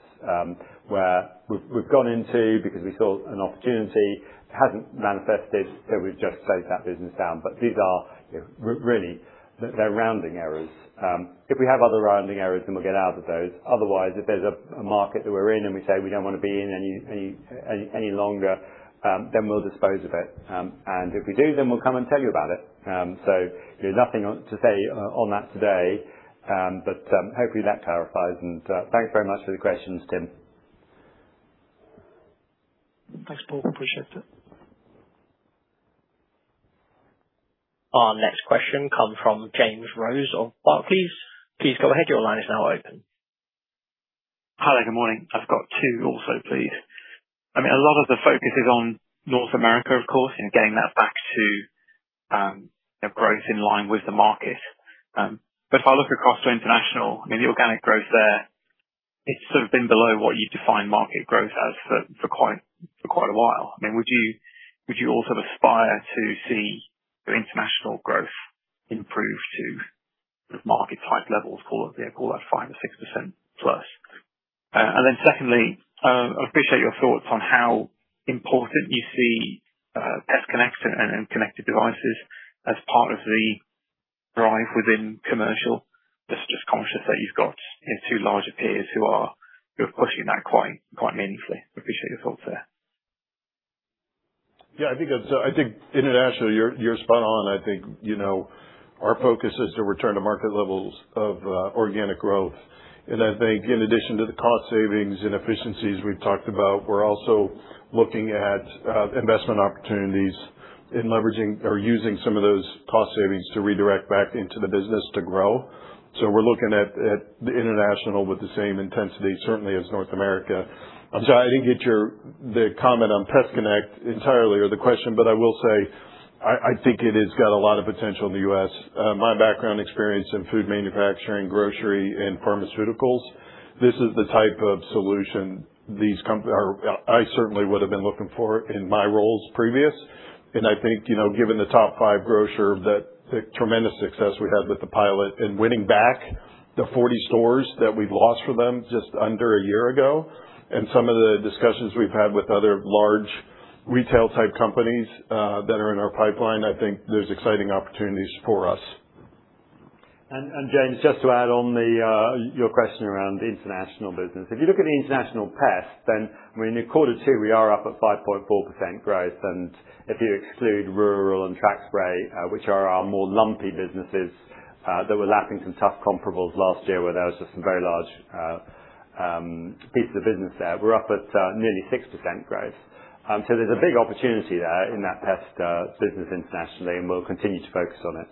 where we've gone into because we saw an opportunity. It hasn't manifested, so we've just closed that business down. These are really rounding errors. If we have other rounding errors, we'll get out of those. Otherwise, if there's a market that we're in and we say we don't want to be in any longer, we'll dispose of it. If we do, we'll come and tell you about it. There's nothing to say on that today. Hopefully that clarifies. Thanks very much for the questions, Tim. Thanks, Paul. Appreciate it. Our next question comes from James Rose of Barclays. Please go ahead. Your line is now open. Hi, there. Good morning. I've got two also, please. A lot of the focus is on North America, of course, in getting that back to growth in line with the market. If I look across to international, the organic growth there, it's sort of been below what you define market growth as for quite a while. Would you also aspire to see the international growth improve to market type levels, call it 5% or 6%+? Secondly, I appreciate your thoughts on how important you see PestConnect and connected devices as part of the drive within commercial. Just conscious that you've got two larger peers who are pushing that quite meaningfully. Appreciate your thoughts there. Yeah. I think internationally, you're spot on. I think our focus is to return to market levels of organic growth. I think in addition to the cost savings and efficiencies we've talked about, we're also looking at investment opportunities in leveraging or using some of those cost savings to redirect back into the business to grow. We're looking at the international with the same intensity, certainly as North America. I'm sorry, I didn't get the comment on PestConnect entirely or the question, I will say, I think it has got a lot of potential in the U.S. My background experience in food manufacturing, grocery, and pharmaceuticals. This is the type of solution I certainly would have been looking for in my roles previous. I think, given the top five grocer, the tremendous success we had with the pilot and winning back the 40 stores that we've lost for them just under a year ago, and some of the discussions we've had with other large retail-type companies that are in our pipeline. I think there's exciting opportunities for us. James, just to add on your question around international business. If you look at the international pest, in Q2, we are up at 5.4% growth. If you exclude Rural and Track Spray, which are our more lumpy businesses that were lapping some tough comparables last year where there was just some very large pieces of business there. We're up at nearly 6% growth. There's a big opportunity there in that pest business internationally, and we'll continue to focus on it.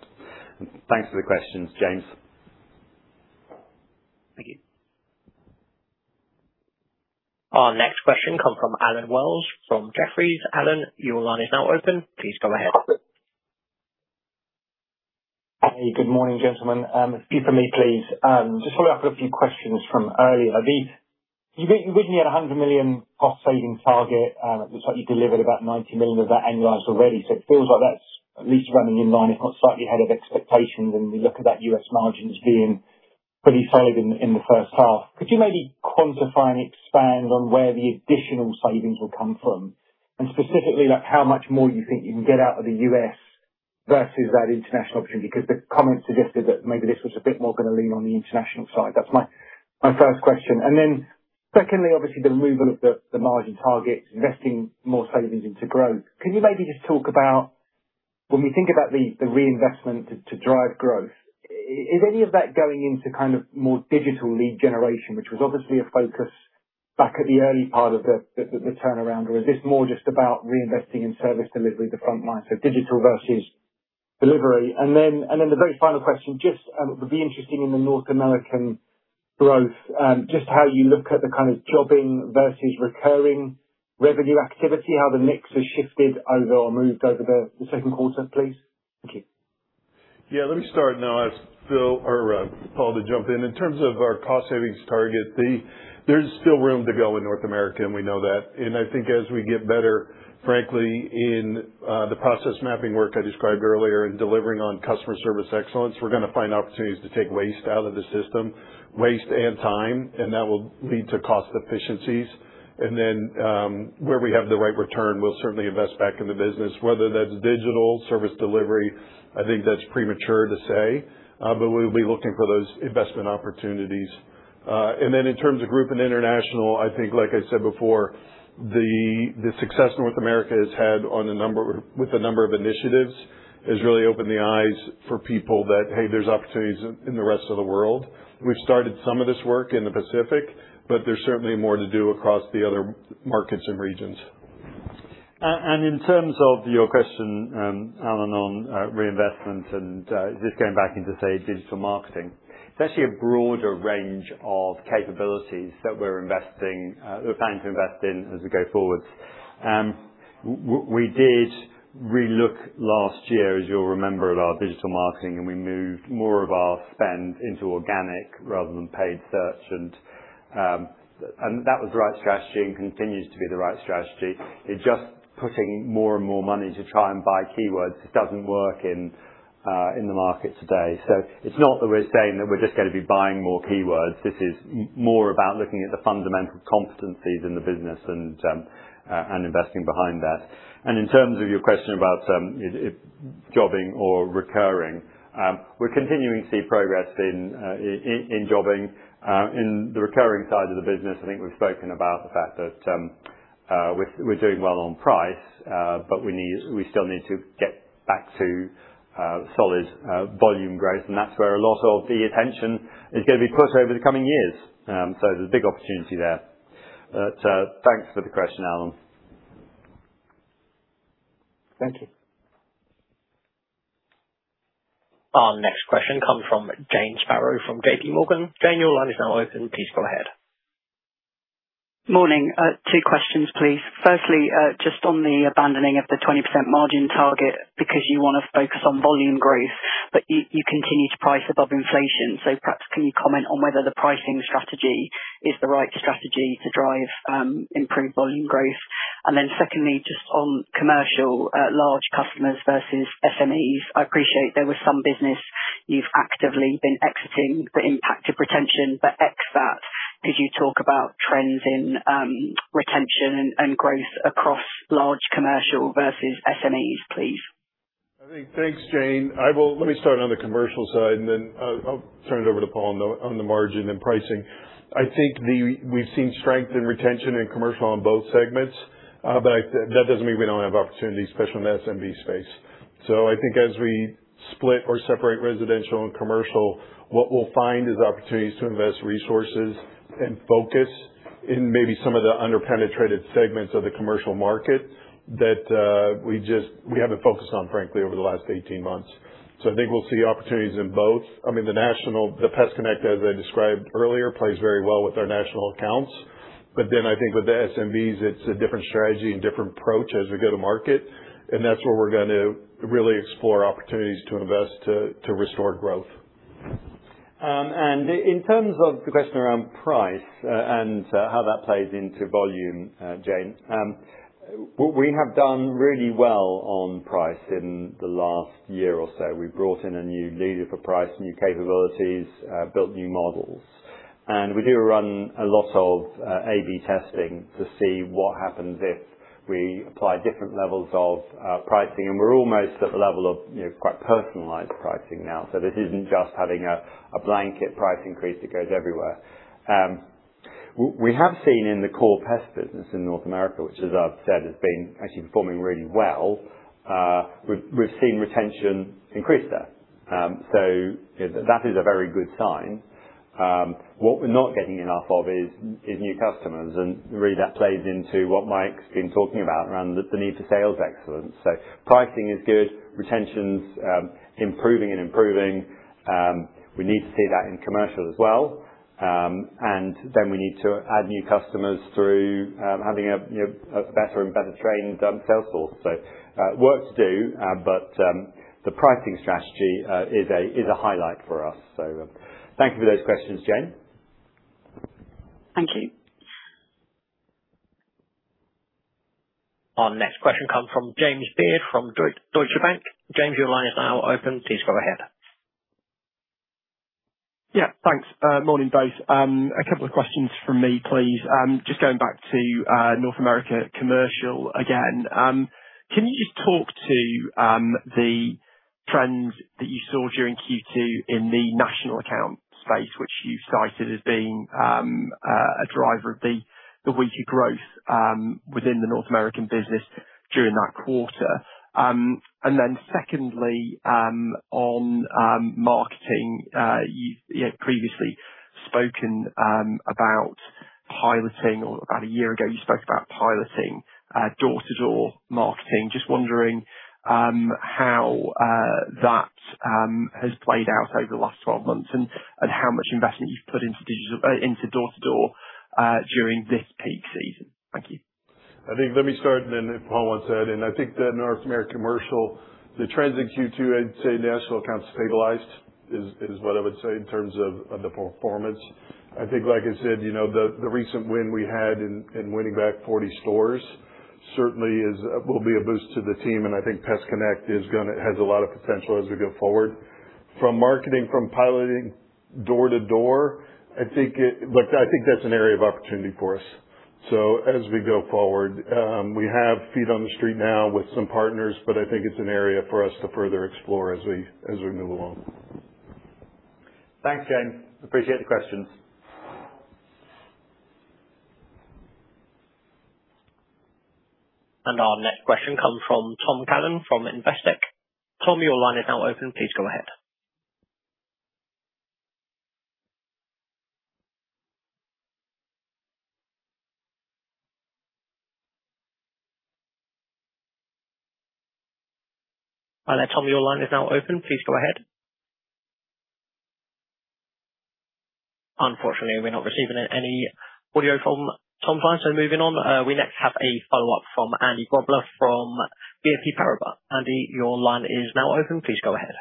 Thanks for the questions, James. Thank you. Our next question come from Allen Wells from Jefferies. Allen, your line is now open. Please go ahead. Hey. Good morning, gentlemen. For me, please. Just follow up with a few questions from earlier. You originally had a 100 million cost-savings target, looks like you delivered about 90 million of that annualized already. It feels like that's at least running in line, if not slightly ahead of expectations. We look at that U.S. margin as being pretty solid in the H1. Could you maybe quantify and expand on where the additional savings will come from? Specifically, how much more you think you can get out of the U.S. versus that international opportunity? The comments suggested that maybe this was a bit more going to lean on the international side. That's my first question. Secondly, obviously the removal of the margin targets, investing more savings into growth. Could you maybe just talk about when we think about the reinvestment to drive growth, is any of that going into more digital lead generation, which was obviously a focus back at the early part of the turnaround, or is this more just about reinvesting in service delivery at the front line? Digital versus delivery. The very final question, just would be interesting in the North American growth, just how you look at the kind of jobbing versus recurring revenue activity, how the mix has shifted over or moved over the Q2, please. Thank you. Yeah. Let me start, I'll ask Paul to jump in. In terms of our cost savings target, there's still room to go in North America, we know that. I think as we get better, frankly, in the process mapping work I described earlier in delivering on customer service excellence, we're going to find opportunities to take waste out of the system, waste and time, that will lead to cost efficiencies. Where we have the right return, we'll certainly invest back in the business, whether that's digital service delivery. I think that's premature to say, but we'll be looking for those investment opportunities. In terms of group and international, I think, like I said before, the success North America has had with a number of initiatives has really opened the eyes for people that, hey, there's opportunities in the rest of the world. We've started some of this work in the Pacific, but there's certainly more to do across the other markets and regions. In terms of your question, Allen, on reinvestment and just going back into, say, digital marketing. It's actually a broader range of capabilities that we're planning to invest in as we go forward. We did relook last year, as you'll remember, at our digital marketing, and we moved more of our spend into organic rather than paid search. That was the right strategy and continues to be the right strategy. It's just putting more and more money to try and buy keywords. It doesn't work in the market today. It's not that we're saying that we're just going to be buying more keywords. This is more about looking at the fundamental competencies in the business and investing behind that. In terms of your question about jobbing or recurring, we're continuing to see progress in jobbing. In the recurring side of the business, I think we've spoken about the fact that we're doing well on price, but we still need to get back to solid volume growth. That's where a lot of the attention is going to be put over the coming years. There's a big opportunity there. Thanks for the question, Allen. Thank you. Our next question comes from Jane Sparrow from JPMorgan. Jane, your line is now open. Please go ahead. Morning. Two questions, please. Firstly, just on the abandoning of the 20% margin target because you want to focus on volume growth, you continue to price above inflation. Perhaps can you comment on whether the pricing strategy is the right strategy to drive improved volume growth? Secondly, just on commercial large customers versus SMEs. I appreciate there was some business you've actively been exiting the impact of retention. Ex that, could you talk about trends in retention and growth across large commercial versus SMEs, please? Thanks, Jane. Let me start on the commercial side, I'll turn it over to Paul on the margin and pricing. I think we've seen strength in retention in commercial on both segments. That doesn't mean we don't have opportunities, especially in the SMB space. I think as we split or separate residential and commercial, what we'll find is opportunities to invest resources and focus in maybe some of the under-penetrated segments of the commercial market that we haven't focused on frankly over the last 18 months. I think we'll see opportunities in both. The PestConnect, as I described earlier, plays very well with our national accounts. I think with the SMBs, it's a different strategy and different approach as we go to market, and that's where we're going to really explore opportunities to invest to restore growth. In terms of the question around price and how that plays into volume, Jane, we have done really well on price in the last year or so. We brought in a new leader for price, new capabilities, built new models. We do run a lot of A/B testing to see what happens if we apply different levels of pricing. We're almost at the level of quite personalized pricing now. This isn't just having a blanket price increase that goes everywhere. We have seen in the core pest business in North America, which as I've said, has been actually performing really well. We've seen retention increase there. That is a very good sign. What we're not getting enough of is new customers, really that plays into what Mike's been talking about around the need for sales excellence. Pricing is good, retention's improving and improving. We need to see that in commercial as well. We need to add new customers through having a better and better trained sales force. Work to do, but the pricing strategy is a highlight for us. Thank you for those questions, Jane. Thank you. Our next question comes from James Beard from Deutsche Bank. James, your line is now open. Please go ahead. Yeah, thanks. Morning, both. A couple of questions from me, please. Just going back to North America commercial again. Can you just talk to the trends that you saw during Q2 in the national account space, which you cited as being a driver of the weaker growth within the North American business during that quarter? Secondly, on marketing. You had previously spoken about piloting, or about a year ago, you spoke about piloting door-to-door marketing. Just wondering how that has played out over the last 12 months and how much investment you've put into door-to-door during this peak season. Thank you. Let me start and then if Paul wants to add in. I think the North American commercial, the trends in Q2, I'd say national accounts stabilized is what I would say in terms of the performance. I think like I said, the recent win we had in winning back 40 stores certainly will be a boost to the team, and I think PestConnect has a lot of potential as we go forward. From marketing, from piloting door to door, look, I think that's an area of opportunity for us. As we go forward. We have feet on the street now with some partners, but I think it's an area for us to further explore as we move along. Thanks, James. Appreciate the questions. Our next question comes from Tom Cannon from Investec. Tom, your line is now open. Please go ahead. Hi there, Tom, your line is now open. Please go ahead. Unfortunately, we're not receiving any audio from Tom's line, moving on. We next have a follow-up from Andy Grobler from BNP Paribas. Andy, your line is now open. Please go ahead.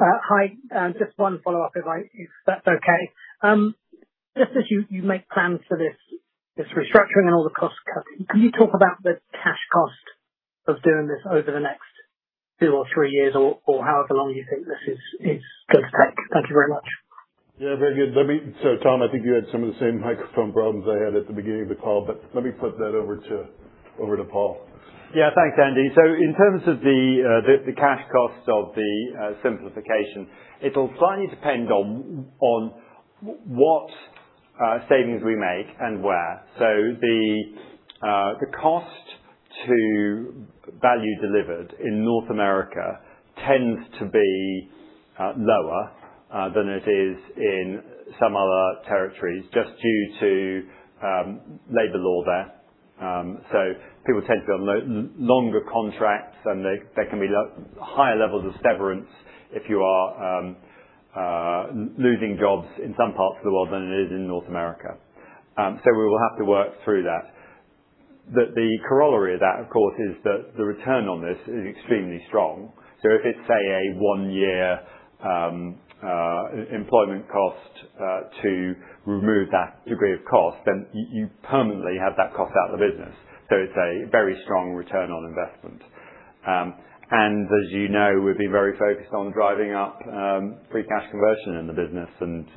Hi. Just one follow-up if that's okay. Just as you make plans for this restructuring and all the cost cutting, can you talk about the cash cost of doing this over the next two or three years or however long you think this is going to take? Thank you very much. Yeah, very good. Tom, I think you had some of the same microphone problems I had at the beginning of the call, let me flip that over to Paul. Yeah. Thanks, Andy. In terms of the cash costs of the simplification, it'll slightly depend on what savings we make and where. The cost to value delivered in North America tends to be lower than it is in some other territories, just due to labor law there. People tend to have longer contracts, and there can be higher levels of severance if you are losing jobs in some parts of the world than it is in North America. We will have to work through that. The corollary of that, of course, is that the return on this is extremely strong. If it's, say, a one-year employment cost to remove that degree of cost, then you permanently have that cost out of the business. It's a very strong return on investment. As you know, we've been very focused on driving up free cash conversion in the business,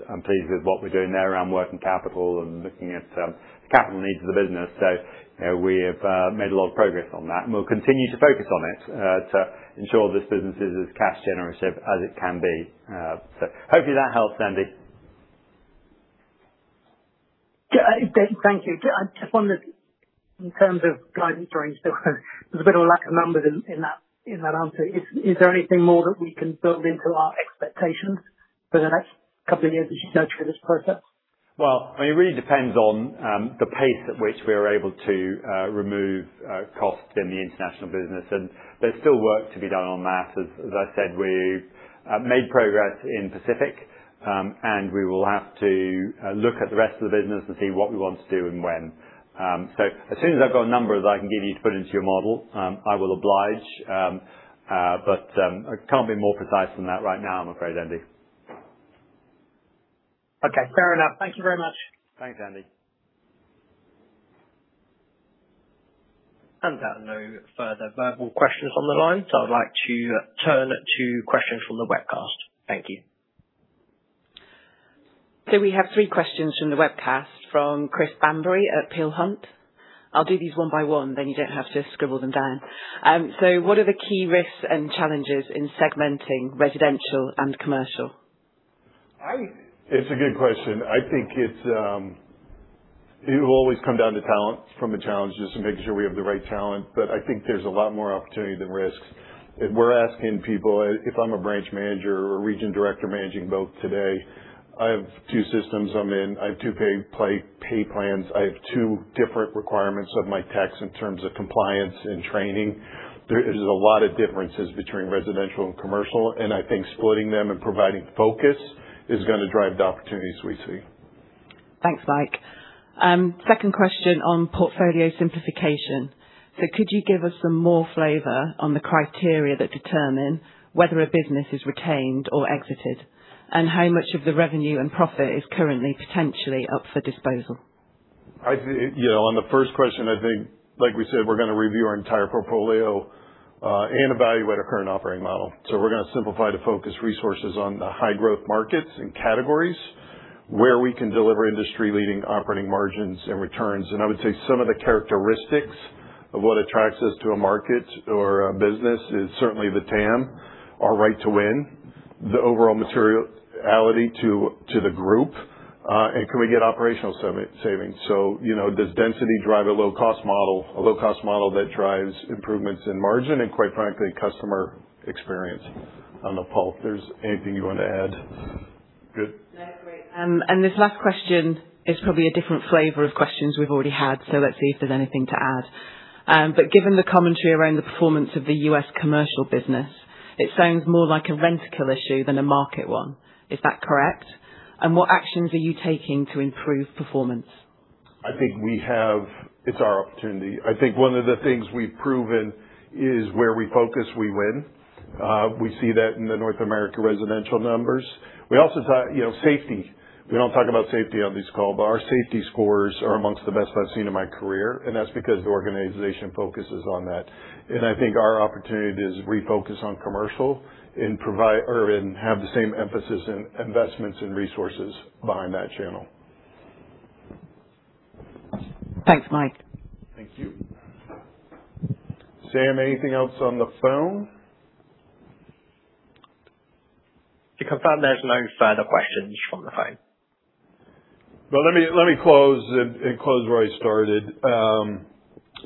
I'm pleased with what we're doing there around working capital and looking at the capital needs of the business. We have made a lot of progress on that, we'll continue to focus on it to ensure this business is as cash generative as it can be. Hopefully that helps, Andy. Thank you. I just wondered in terms of guidance range, there's a bit of a lack of numbers in that answer. Is there anything more that we can build into our expectations for the next couple of years as you go through this process? Well, it really depends on the pace at which we are able to remove costs in the international business. There's still work to be done on that. As I said, we've made progress in Pacific, we will have to look at the rest of the business and see what we want to do and when. As soon as I've got numbers I can give you to put into your model, I will oblige. I can't be more precise than that right now, I'm afraid, Andy. Okay, fair enough. Thank you very much. Thanks, Andy. There are no further verbal questions on the line, I'd like to turn to questions from the webcast. Thank you. We have three questions from the webcast from Chris Bamberry at Peel Hunt. I'll do these one by one. You don't have to scribble them down. What are the key risks and challenges in segmenting residential and commercial? It's a good question. I think it will always come down to talent from the challenges and making sure we have the right talent. I think there's a lot more opportunity than risks. If we're asking people, if I'm a branch manager or a region director managing both today, I have two systems I'm in. I have two pay plans. I have two different requirements of my techs in terms of compliance and training. There is a lot of differences between residential and commercial, and I think splitting them and providing focus is going to drive the opportunities we see. Thanks, Mike. Second question on portfolio simplification. Could you give us some more flavor on the criteria that determine whether a business is retained or exited, and how much of the revenue and profit is currently potentially up for disposal? On the first question, I think, like we said, we're going to review our entire portfolio, and evaluate our current operating model. We're going to simplify to focus resources on the high growth markets and categories where we can deliver industry leading operating margins and returns. I would say some of the characteristics of what attracts us to a market or a business is certainly the TAM, our right to win, the overall materiality to the group, and can we get operational savings. Does density drive a low cost model that drives improvements in margin and quite frankly, customer experience. I don't know, Paul, if there's anything you want to add? Good. No, great. This last question is probably a different flavor of questions we've already had, so let's see if there's anything to add. Given the commentary around the performance of the U.S. commercial business, it sounds more like a Rentokil issue than a market one. Is that correct? What actions are you taking to improve performance? I think it's our opportunity. I think one of the things we've proven is where we focus, we win. We see that in the North America residential numbers. We also talk safety. We don't talk about safety on these calls, but our safety scores are amongst the best I've seen in my career, and that's because the organization focuses on that. I think our opportunity is refocus on commercial and have the same emphasis in investments and resources behind that channel. Thanks, Mike. Thank you. Sam, anything else on the phone? To confirm, there's no further questions from the phone. Let me close where I started.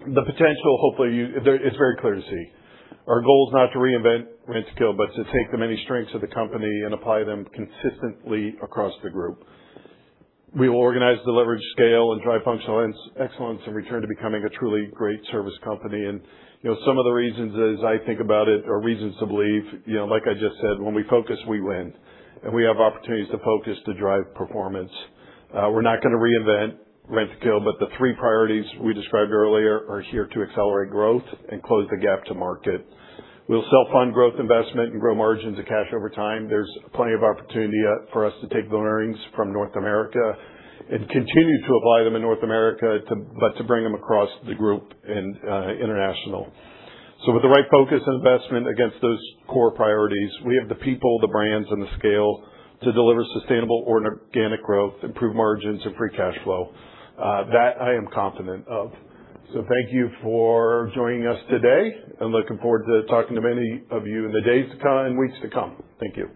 The potential, hopefully it's very clear to see. Our goal is not to reinvent Rentokil, but to take the many strengths of the company and apply them consistently across the group. We will organize the leverage scale and drive functional excellence and return to becoming a truly great service company. Some of the reasons as I think about it, are reasons to believe. Like I just said, when we focus, we win, and we have opportunities to focus to drive performance. We're not going to reinvent Rentokil, but the three priorities we described earlier are here to accelerate growth and close the gap to market. We'll self-fund growth investment and grow margins of cash over time. There's plenty of opportunity for us to take the learnings from North America and continue to apply them in North America, but to bring them across the group in international. With the right focus and investment against those core priorities, we have the people, the brands and the scale to deliver sustainable organic growth, improve margins and free cash flow. That I am confident of. Thank you for joining us today and looking forward to talking to many of you in the days to come and weeks to come. Thank you.